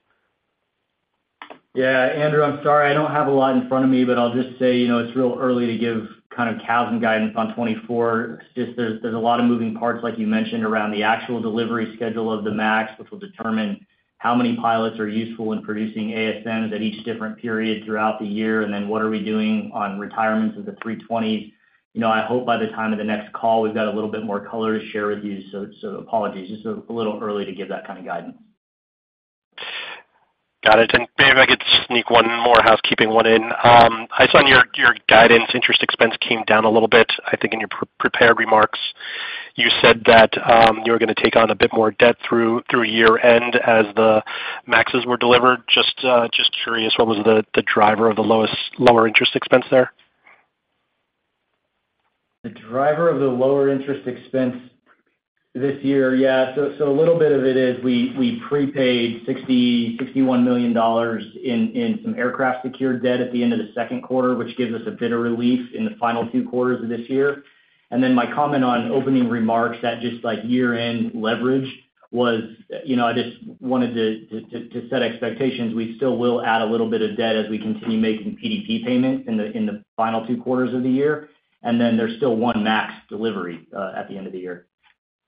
Yeah, Andrew, I'm sorry, I don't have a lot in front of me, I'll just say, you know, it's real early to give kind of CASM guidance on 2024. There's a lot of moving parts, like you mentioned, around the actual delivery schedule of the MAX, which will determine how many pilots are useful in producing ASMs at each different period throughout the year, and then what are we doing on retirements of the A320. You know, I hope by the time of the next call, we've got a little bit more color to share with you. Apologies, it's just a little early to give that kind of guidance. Got it. Maybe if I could sneak one more housekeeping 1 in. I saw on your, your guidance, interest expense came down a little bit. I think in your pre-prepared remarks, you said that you were going to take on a bit more debt through, through year-end as the MAXs were delivered. Just, just curious, what was the, the driver of the lowest- lower interest expense there? The driver of the lower interest expense this year? Yeah, so a little bit of it is we, we prepaid $61 million in, in some aircraft secured debt at the end of the Second Quarter, which gives us a bit of relief in the final two quarters of this year. My comment on opening remarks that just like year-end leverage was, you know, I just wanted to set expectations. We still will add a little bit of debt as we continue making PDP payments in the, in the final two quarters of the year. There's still 1 MAX delivery at the end of the year.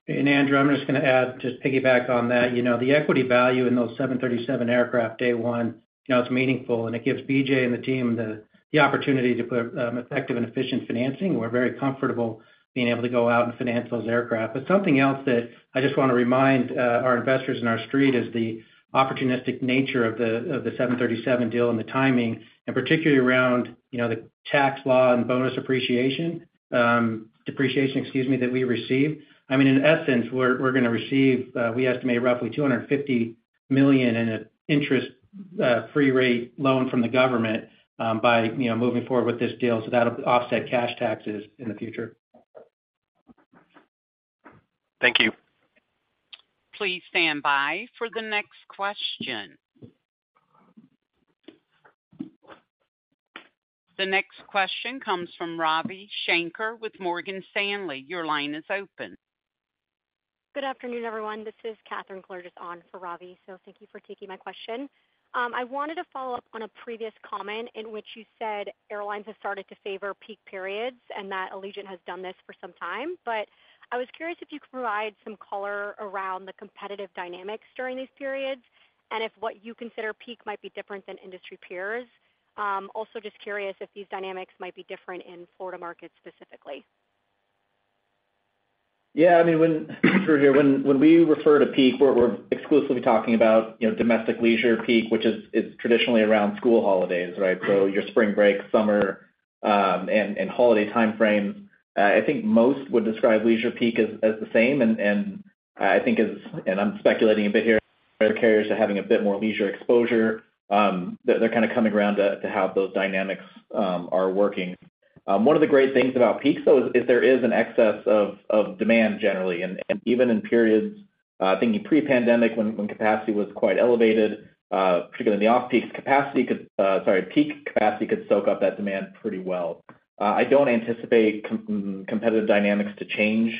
Andrew, I'm just going to add, just to piggyback on that, you know, the equity value in those 737 aircraft, day one, you know, it's meaningful, and it gives BJ and the team the opportunity to put effective and efficient financing. We're very comfortable being able to go out and finance those aircraft. Something else that I just want to remind our investors and our street is the opportunistic nature of the 737 deal and the timing, and particularly around, you know, the tax law and bonus appreciation, depreciation, excuse me, that we receive. I mean, in essence, we're going to receive, we estimate roughly $250 million in an interest free rate loan from the government, by, you know, moving forward with this deal. That'll offset cash taxes in the future. Thank you. Please stand by for the next question. The next question comes from Ravi Shanker with Morgan Stanley. Your line is open. Good afternoon, everyone. This is Catherine Kleros on for Robbie. Thank you for taking my question. I wanted to follow up on a previous comment in which you said airlines have started to favor peak periods and that Allegiant has done this for some time. I was curious if you could provide some color around the competitive dynamics during these periods, and if what you consider peak might be different than industry peers. Also just curious if these dynamics might be different in Florida markets specifically. Yeah, I mean, when, when, when we refer to peak, we're, we're exclusively talking about, you know, domestic leisure peak, which is, is traditionally around school holidays, right? So your spring break, summer, and holiday timeframe. I think most would describe leisure peak as, as the same, and, and I think as, and I'm speculating a bit here, other carriers are having a bit more leisure exposure, they're, they're kind of coming around to, to how those dynamics are working. One of the great things about peaks, though, is there is an excess of, of demand generally, and, and even in periods, thinking pre-pandemic, when, when capacity was quite elevated, particularly in the off-peak, capacity could... sorry, peak capacity could soak up that demand pretty well. I don't anticipate com- competitive dynamics to change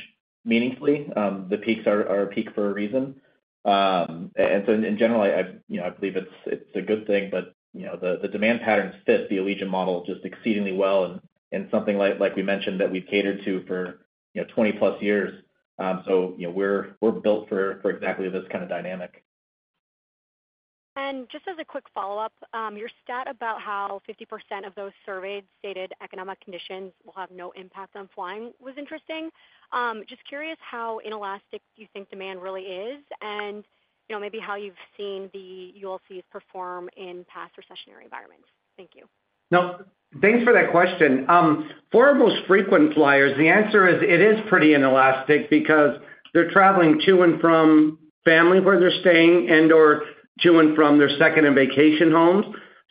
meaningfully. The peaks are, are peak for a reason. In general, I, you know, I believe it's, it's a good thing, but, you know, the, the demand patterns fit the Allegiant model just exceedingly well, and something like, like we mentioned, that we've catered to for, you know, 20-plus years. You know, we're, we're built for, for exactly this kind of dynamic. Just as a quick follow-up, your stat about how 50% of those surveyed stated economic conditions will have no impact on flying was interesting. Just curious, how inelastic do you think demand really is? You know, maybe how you've seen the ULCs perform in past recessionary environments. Thank you. Thanks for that question. For our most frequent flyers, the answer is, it is pretty inelastic because they're traveling to and from family, where they're staying and/or to and from their second and vacation homes.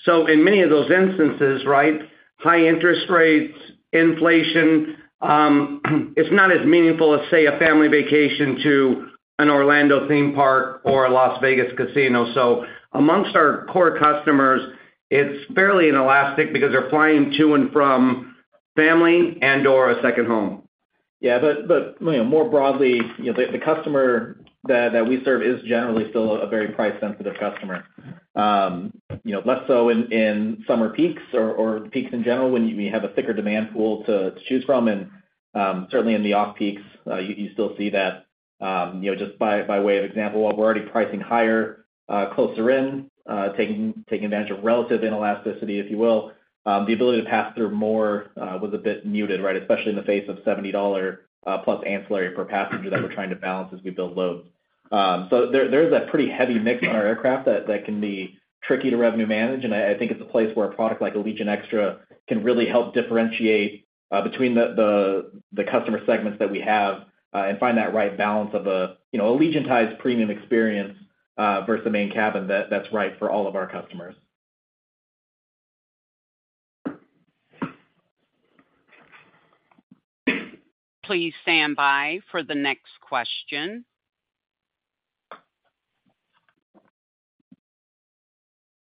In many of those instances, right, high interest rates, inflation, it's not as meaningful as, say, a family vacation to an Orlando theme park or a Las Vegas casino. Amongst our core customers, it's fairly inelastic because they're flying to and from family and/or a second home. Yeah, but, but, you know, more broadly, you know, the, the customer that, that we serve is generally still a very price-sensitive customer. You know, less so in, in summer peaks or, or peaks in general, when you, you have a thicker demand pool to, to choose from. Certainly in the off-peaks, you, you still see that. You know, just by, by way of example, while we're already pricing higher, closer in, taking, taking advantage of relative inelasticity, if you will, the ability to pass through more, was a bit muted, right? Especially in the face of $70 plus ancillary per passenger that we're trying to balance as we build loads. There, there is a pretty heavy mix on our aircraft that, that can be tricky to revenue manage, and I, I think it's a place where a product like Allegiant Extra can really help differentiate between the customer segments that we have and find that right balance of a, you know, Allegiantized premium experience versus the main cabin that, that's right for all of our customers. Please stand by for the next question.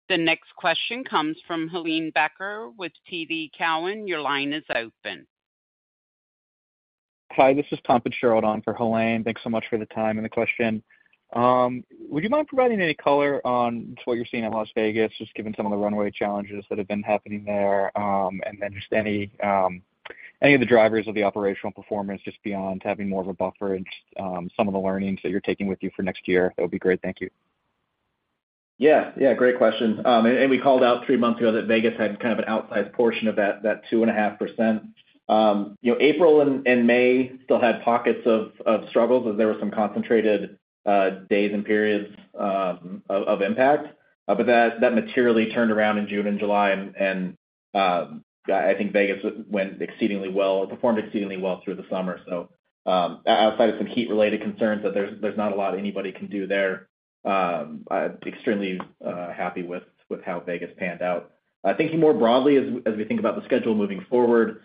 The next question comes from Helene Becker with TD Cowen. Your line is open. Hi, this is Tom Fitzgerald on for Helaine. Thanks so much for the time and the question. Would you mind providing any color on what you're seeing in Las Vegas, just given some of the runway challenges that have been happening there? Then just any, any of the drivers of the operational performance, just beyond having more of a buffer and, some of the learnings that you're taking with you for next year, that would be great. Thank you. Yeah, yeah, great question. We called out three months ago that Vegas had kind of an outsized portion of that, that 2.5%. You know, April and May still had pockets of struggles, as there were some concentrated days and periods of impact. That materially turned around in June and July, and I think Vegas went exceedingly well, performed exceedingly well through the summer. Outside of some heat-related concerns that there's not a lot anybody can do there, I'm extremely happy with how Vegas panned out. I think more broadly, as we, as we think about the schedule moving forward,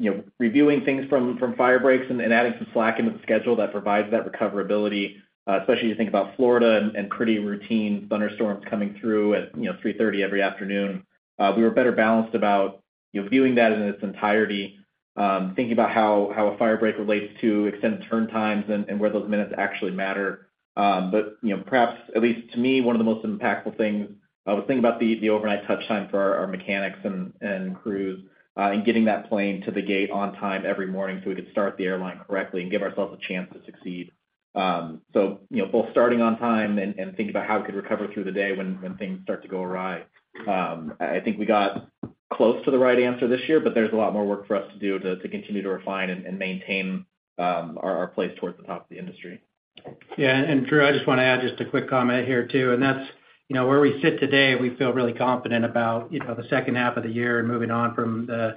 you know, reviewing things from, from fire breaks and, and adding some slack into the schedule that provides that recoverability, especially as you think about Florida and pretty routine thunderstorms coming through at, you know, 3:30 every afternoon. We were better balanced about, you know, viewing that in its entirety, thinking about how, how a fire break relates to extended turn times and, and where those minutes actually matter. You know, perhaps, at least to me, one of the most impactful things, was thinking about the, the overnight touch time for our, our mechanics and, and crews, and getting that plane to the gate on time every morning, so we could start the airline correctly and give ourselves a chance to succeed. You know, both starting on time and, and thinking about how we could recover through the day when, when things start to go awry. I think we got close to the right answer this year, there's a lot more work for us to do to, to continue to refine and, and maintain, our, our place towards the top of the industry. Yeah, and Drew, I just want to add just a quick comment here, too, and that's, you know, where we sit today, we feel really confident about, you know, the second half of the year and moving on from the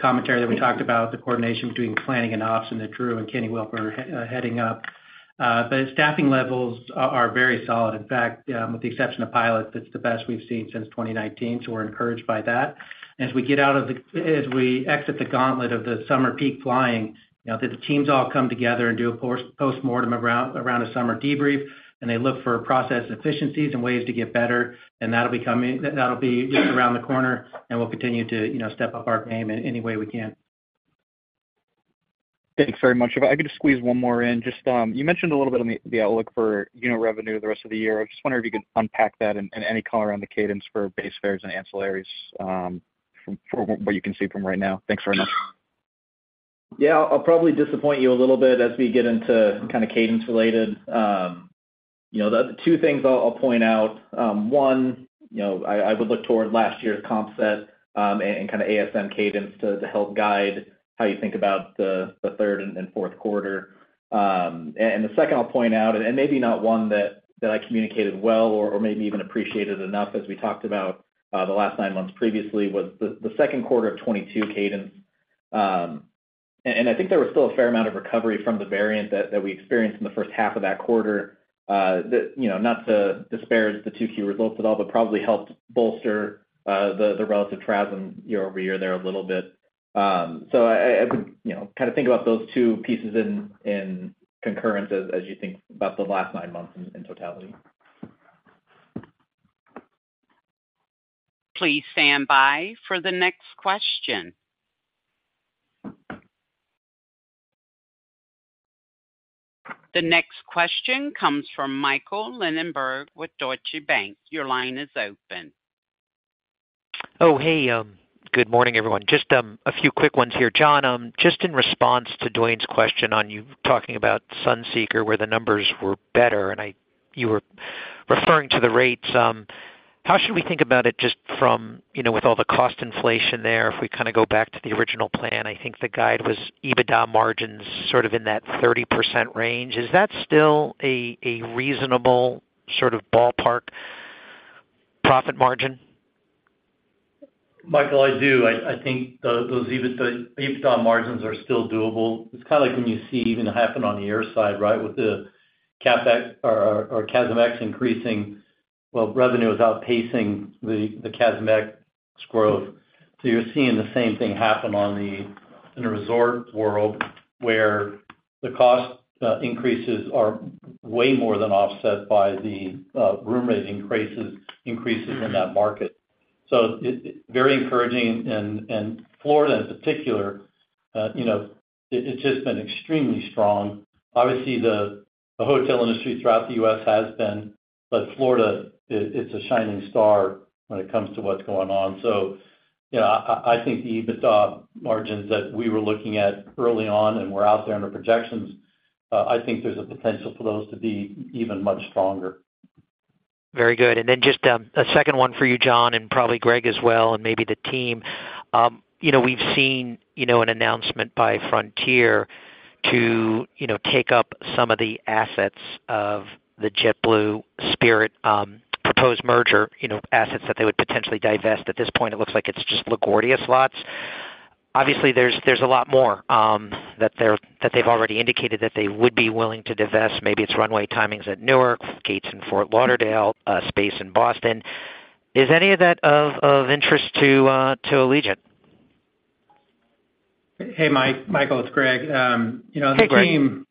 commentary that we talked about, the coordination between planning and ops, and that Drew and Ken Wilper are heading up. Staffing levels are very solid. In fact, with the exception of pilots, it's the best we've seen since 2019, so we're encouraged by that. As we exit the gauntlet of the summer peak flying, you know, the teams all come together and do a post, postmortem around, around a summer debrief. They look for process efficiencies and ways to get better. That'll be just around the corner. We'll continue to, you know, step up our game in any way we can. Thanks very much. If I could just squeeze one more in, just, you mentioned a little bit on the, the outlook for, you know, revenue the rest of the year. I just wonder if you could unpack that and, and any color around the cadence for base fares and ancillaries, from what you can see from right now. Thanks very much. Yeah, I'll probably disappoint you a little bit as we get into kind of cadence related. You know, the two things I'll, I'll point out, one, you know, I, I would look toward last year's comp set, and, and kind of ASM cadence to, to help guide how you think about the, the third and, and Fourth Quarter. The second I'll point out, and maybe not one that, that I communicated well or, or maybe even appreciated enough as we talked about, the last 9 months previously, was the, the Second Quarter of 2022 cadence. I think there was still a fair amount of recovery from the variant that, that we experienced in the first half of that quarter. That, you know, not to disparage the 2 key results at all, but probably helped bolster the, the relative traffic year-over-year there a little bit. I, I, I would, you know, kind of think about those two pieces in, in concurrence as, as you think about the last 9 months in, in totality. Please stand by for the next question. The next question comes from Michael Linenberg with Deutsche Bank. Your line is open. Oh, hey, good morning, everyone. Just a few quick ones here. John, just in response to Duane's question on you talking about Sunseeker, where the numbers were better, and I-- you were referring to the rates. How should we think about it just from, you know, with all the cost inflation there, if we kind of go back to the original plan, I think the guide was EBITDA margins sort of in that 30% range. Is that still a, a reasonable sort of ballpark profit margin? Michael, I do. I, I think those, those EBITDA, EBITDA margins are still doable. It's kind of like when you see even happen on the air side, right? With the CapEx or, or, or CASMex increasing, well, revenue is outpacing the, the CASMex growth. You're seeing the same thing happen on the, in the resort world, where the cost increases are way more than offset by the room rate increases, increases in that market. It, very encouraging and, and Florida in particular, you know, it, it's just been extremely strong. Obviously, the, the hotel industry throughout the US has been, but Florida, it, it's a shining star when it comes to what's going on. You know, I, I, I think the EBITDA margins that we were looking at early on and were out there on the projections, I think there's a potential for those to be even much stronger. Very good. And then just a 2nd one for you, John, and probably Greg as well, and maybe the team. You know, we've seen, you know, an announcement by Frontier to, you know, take up some of the assets of the JetBlue Spirit proposed merger, you know, assets that they would potentially divest. At this point, it looks like it's just LaGuardia slots. Obviously, there's, there's a lot more that they've already indicated that they would be willing to divest. Maybe it's runway timings at Newark, gates in Fort Lauderdale, space in Boston. Is any of that of, of interest to Allegiant? Hey, Mike, Michael, it's Greg. You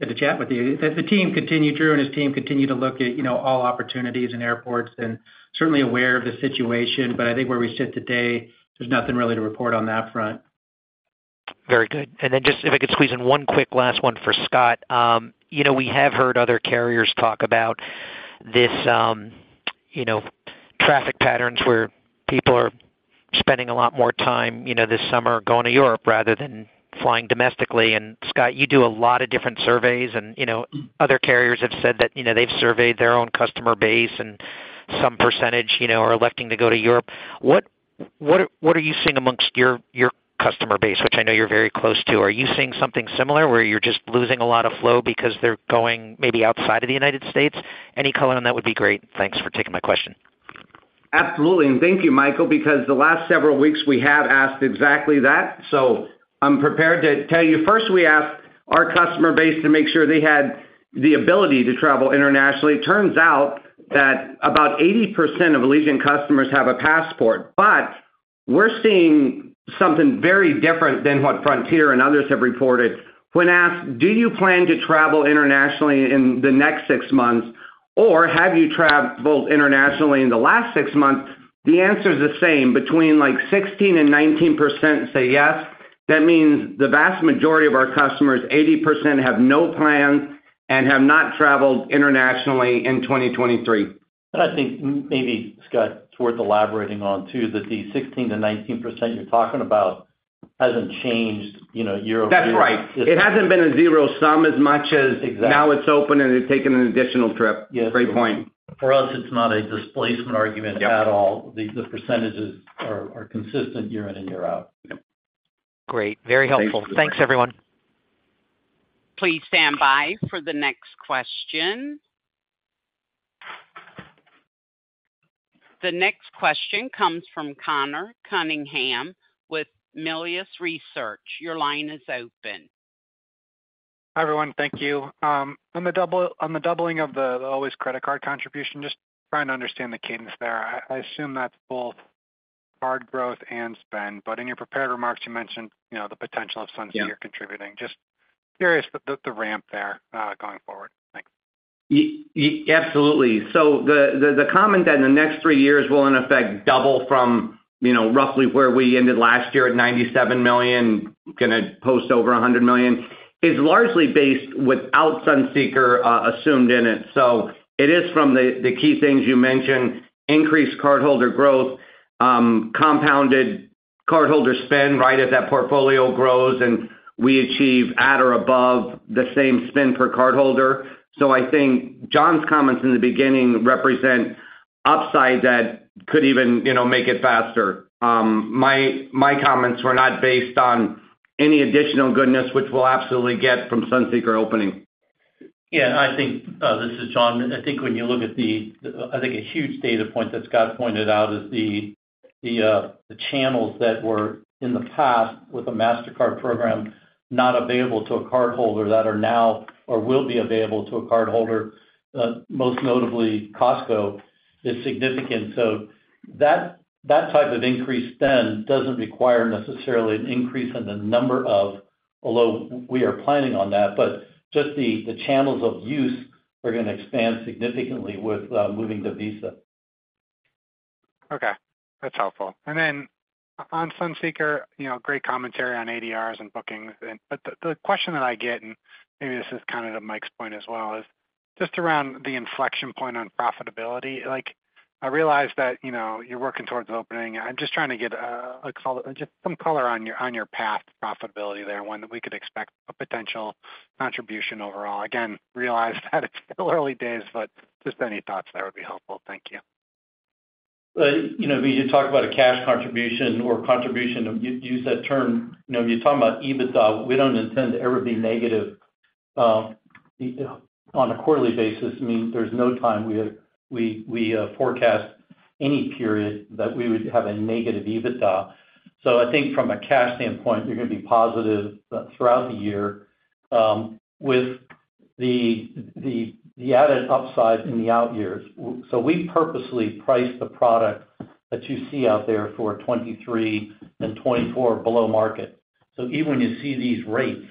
know, the team had to chat with you. The team continued, Drew and his team continue to look at, you know, all opportunities in airports and certainly aware of the situation. I think where we sit today, there's nothing really to report on that front. Very good. Then just if I could squeeze in one quick last one for Scott. You know, we have heard other carriers talk about this, you know, traffic patterns where people are spending a lot more time, you know, this summer going to Europe rather than flying domestically. Scott, you do a lot of different surveys and, you know, other carriers have said that, you know, they've surveyed their own customer base, and some percentage, you know, are electing to go to Europe. What, what, what are you seeing amongst your, your customer base, which I know you're very close to? Are you seeing something similar, where you're just losing a lot of flow because they're going maybe outside of the United States? Any color on that would be great. Thanks for taking my question. Absolutely, thank you, Michael, because the last several weeks we have asked exactly that. I'm prepared to tell you. First, we asked our customer base to make sure they had the ability to travel internationally. It turns out that about 80% of Allegiant customers have a passport, but we're seeing something very different than what Frontier and others have reported. When asked, "Do you plan to travel internationally in the next 6 months, or have you traveled internationally in the last 6 months?" The answer is the same, between, like, 16 and 19% say yes. That means the vast majority of our customers, 80%, have no plans and have not traveled internationally in 2023. I think maybe, Scott, it's worth elaborating on, too, that the 16%-19% you're talking about hasn't changed, you know, year-over-year. That's right. It hasn't been a zero sum as much as- Exactly. Now it's open, and they've taken an additional trip. Yes. Great point. For us, it's not a displacement argument at all. The, the percentages are, are consistent year in and year out. Great. Very helpful. Thanks, everyone. Please stand by for the next question. The next question comes from Conor Cunningham with Melius Research. Your line is open. Hi, everyone. Thank you. On the doubling of the Allways credit card contribution, just trying to understand the cadence there. I assume that's both card growth and spend, but in your prepared remarks, you mentioned, you know, the potential of Sunseeker... Yeah... contributing. Just curious, the, the, the ramp there, going forward. Thanks. Absolutely. The, the, the comment that in the next 3 years will in effect double from, you know, roughly where we ended last year at $97 million, gonna post over $100 million, is largely based without Sunseeker assumed in it. It is from the, the key things you mentioned, increased cardholder growth, compounded cardholder spend, right, as that portfolio grows, and we achieve at or above the same spend per cardholder. I think John's comments in the beginning represent upside that could even, you know, make it faster. My, my comments were not based on any additional goodness, which we'll absolutely get from Sunseeker opening. I think, this is John. I think when you look at I think a huge data point that Scott pointed out is the, the channels that were in the past with the Mastercard program, not available to a cardholder, that are now or will be available to a cardholder, most notably Costco, is significant. That, that type of increased spend doesn't require necessarily an increase in the number of... although we are planning on that, but just the, the channels of use are gonna expand significantly with moving to Visa. Okay, that's helpful. On Sunseeker, you know, great commentary on ADRs and bookings, the question that I get, and maybe this is kind of to Mike's point as well, is just around the inflection point on profitability. I realize that, you know, you're working towards opening. I'm just trying to get a color, just some color on your, on your path to profitability there, when we could expect a potential contribution overall. Realize that it's still early days, just any thoughts there would be helpful. Thank you. You know, we could talk about a cash contribution or contribution. You, you used that term. You know, you're talking about EBITDA. We don't intend to ever be negative on a quarterly basis. I mean, there's no time we, we, we forecast any period that we would have a negative EBITDA. I think from a cash standpoint, you're going to be positive throughout the year with the, the, the added upside in the out years. We purposely priced the product that you see out there for 2023 and 2024 below market. Even when you see these rates,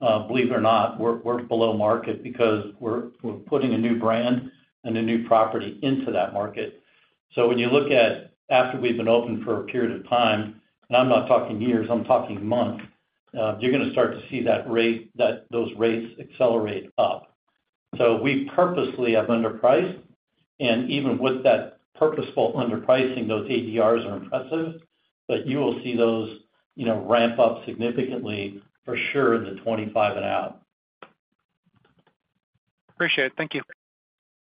believe it or not, we're, we're below market because we're, we're putting a new brand and a new property into that market. When you look at after we've been open for a period of time, and I'm not talking years, I'm talking months, you're going to start to see that rate, that those rates accelerate up. We purposely have underpriced, and even with that purposeful underpricing, those ADRs are impressive, but you will see those, you know, ramp up significantly for sure in the 25 and out. Appreciate it. Thank you.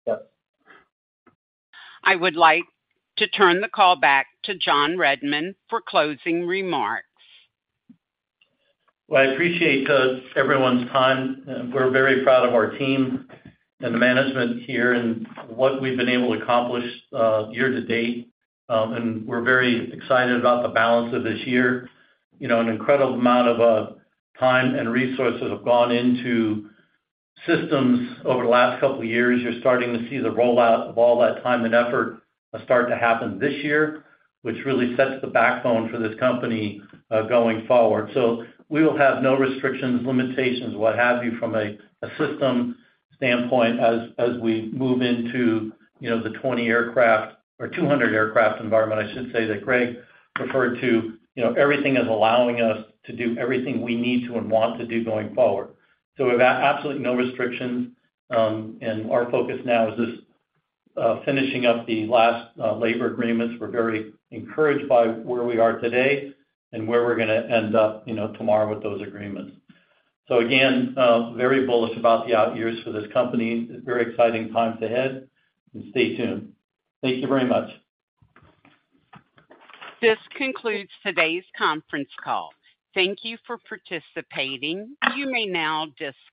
Yes. I would like to turn the call back to John Redmond for closing remarks. Well, I appreciate everyone's time. We're very proud of our team and the management here and what we've been able to accomplish year to date. We're very excited about the balance of this year. You know, an incredible amount of time and resources have gone into systems over the last couple of years. You're starting to see the rollout of all that time and effort start to happen this year, which really sets the backbone for this company going forward. We will have no restrictions, limitations, what have you, from a system standpoint, as we move into, you know, the 20 aircraft or 200 aircraft environment, I should say, that Greg referred to. You know, everything is allowing us to do everything we need to and want to do going forward. We've absolutely no restrictions, and our focus now is just finishing up the last labor agreements. We're very encouraged by where we are today and where we're gonna end up, you know, tomorrow with those agreements. Again, very bullish about the out years for this company. Very exciting times ahead, and stay tuned. Thank you very much. This concludes today's conference call. Thank you for participating. You may now disconnect.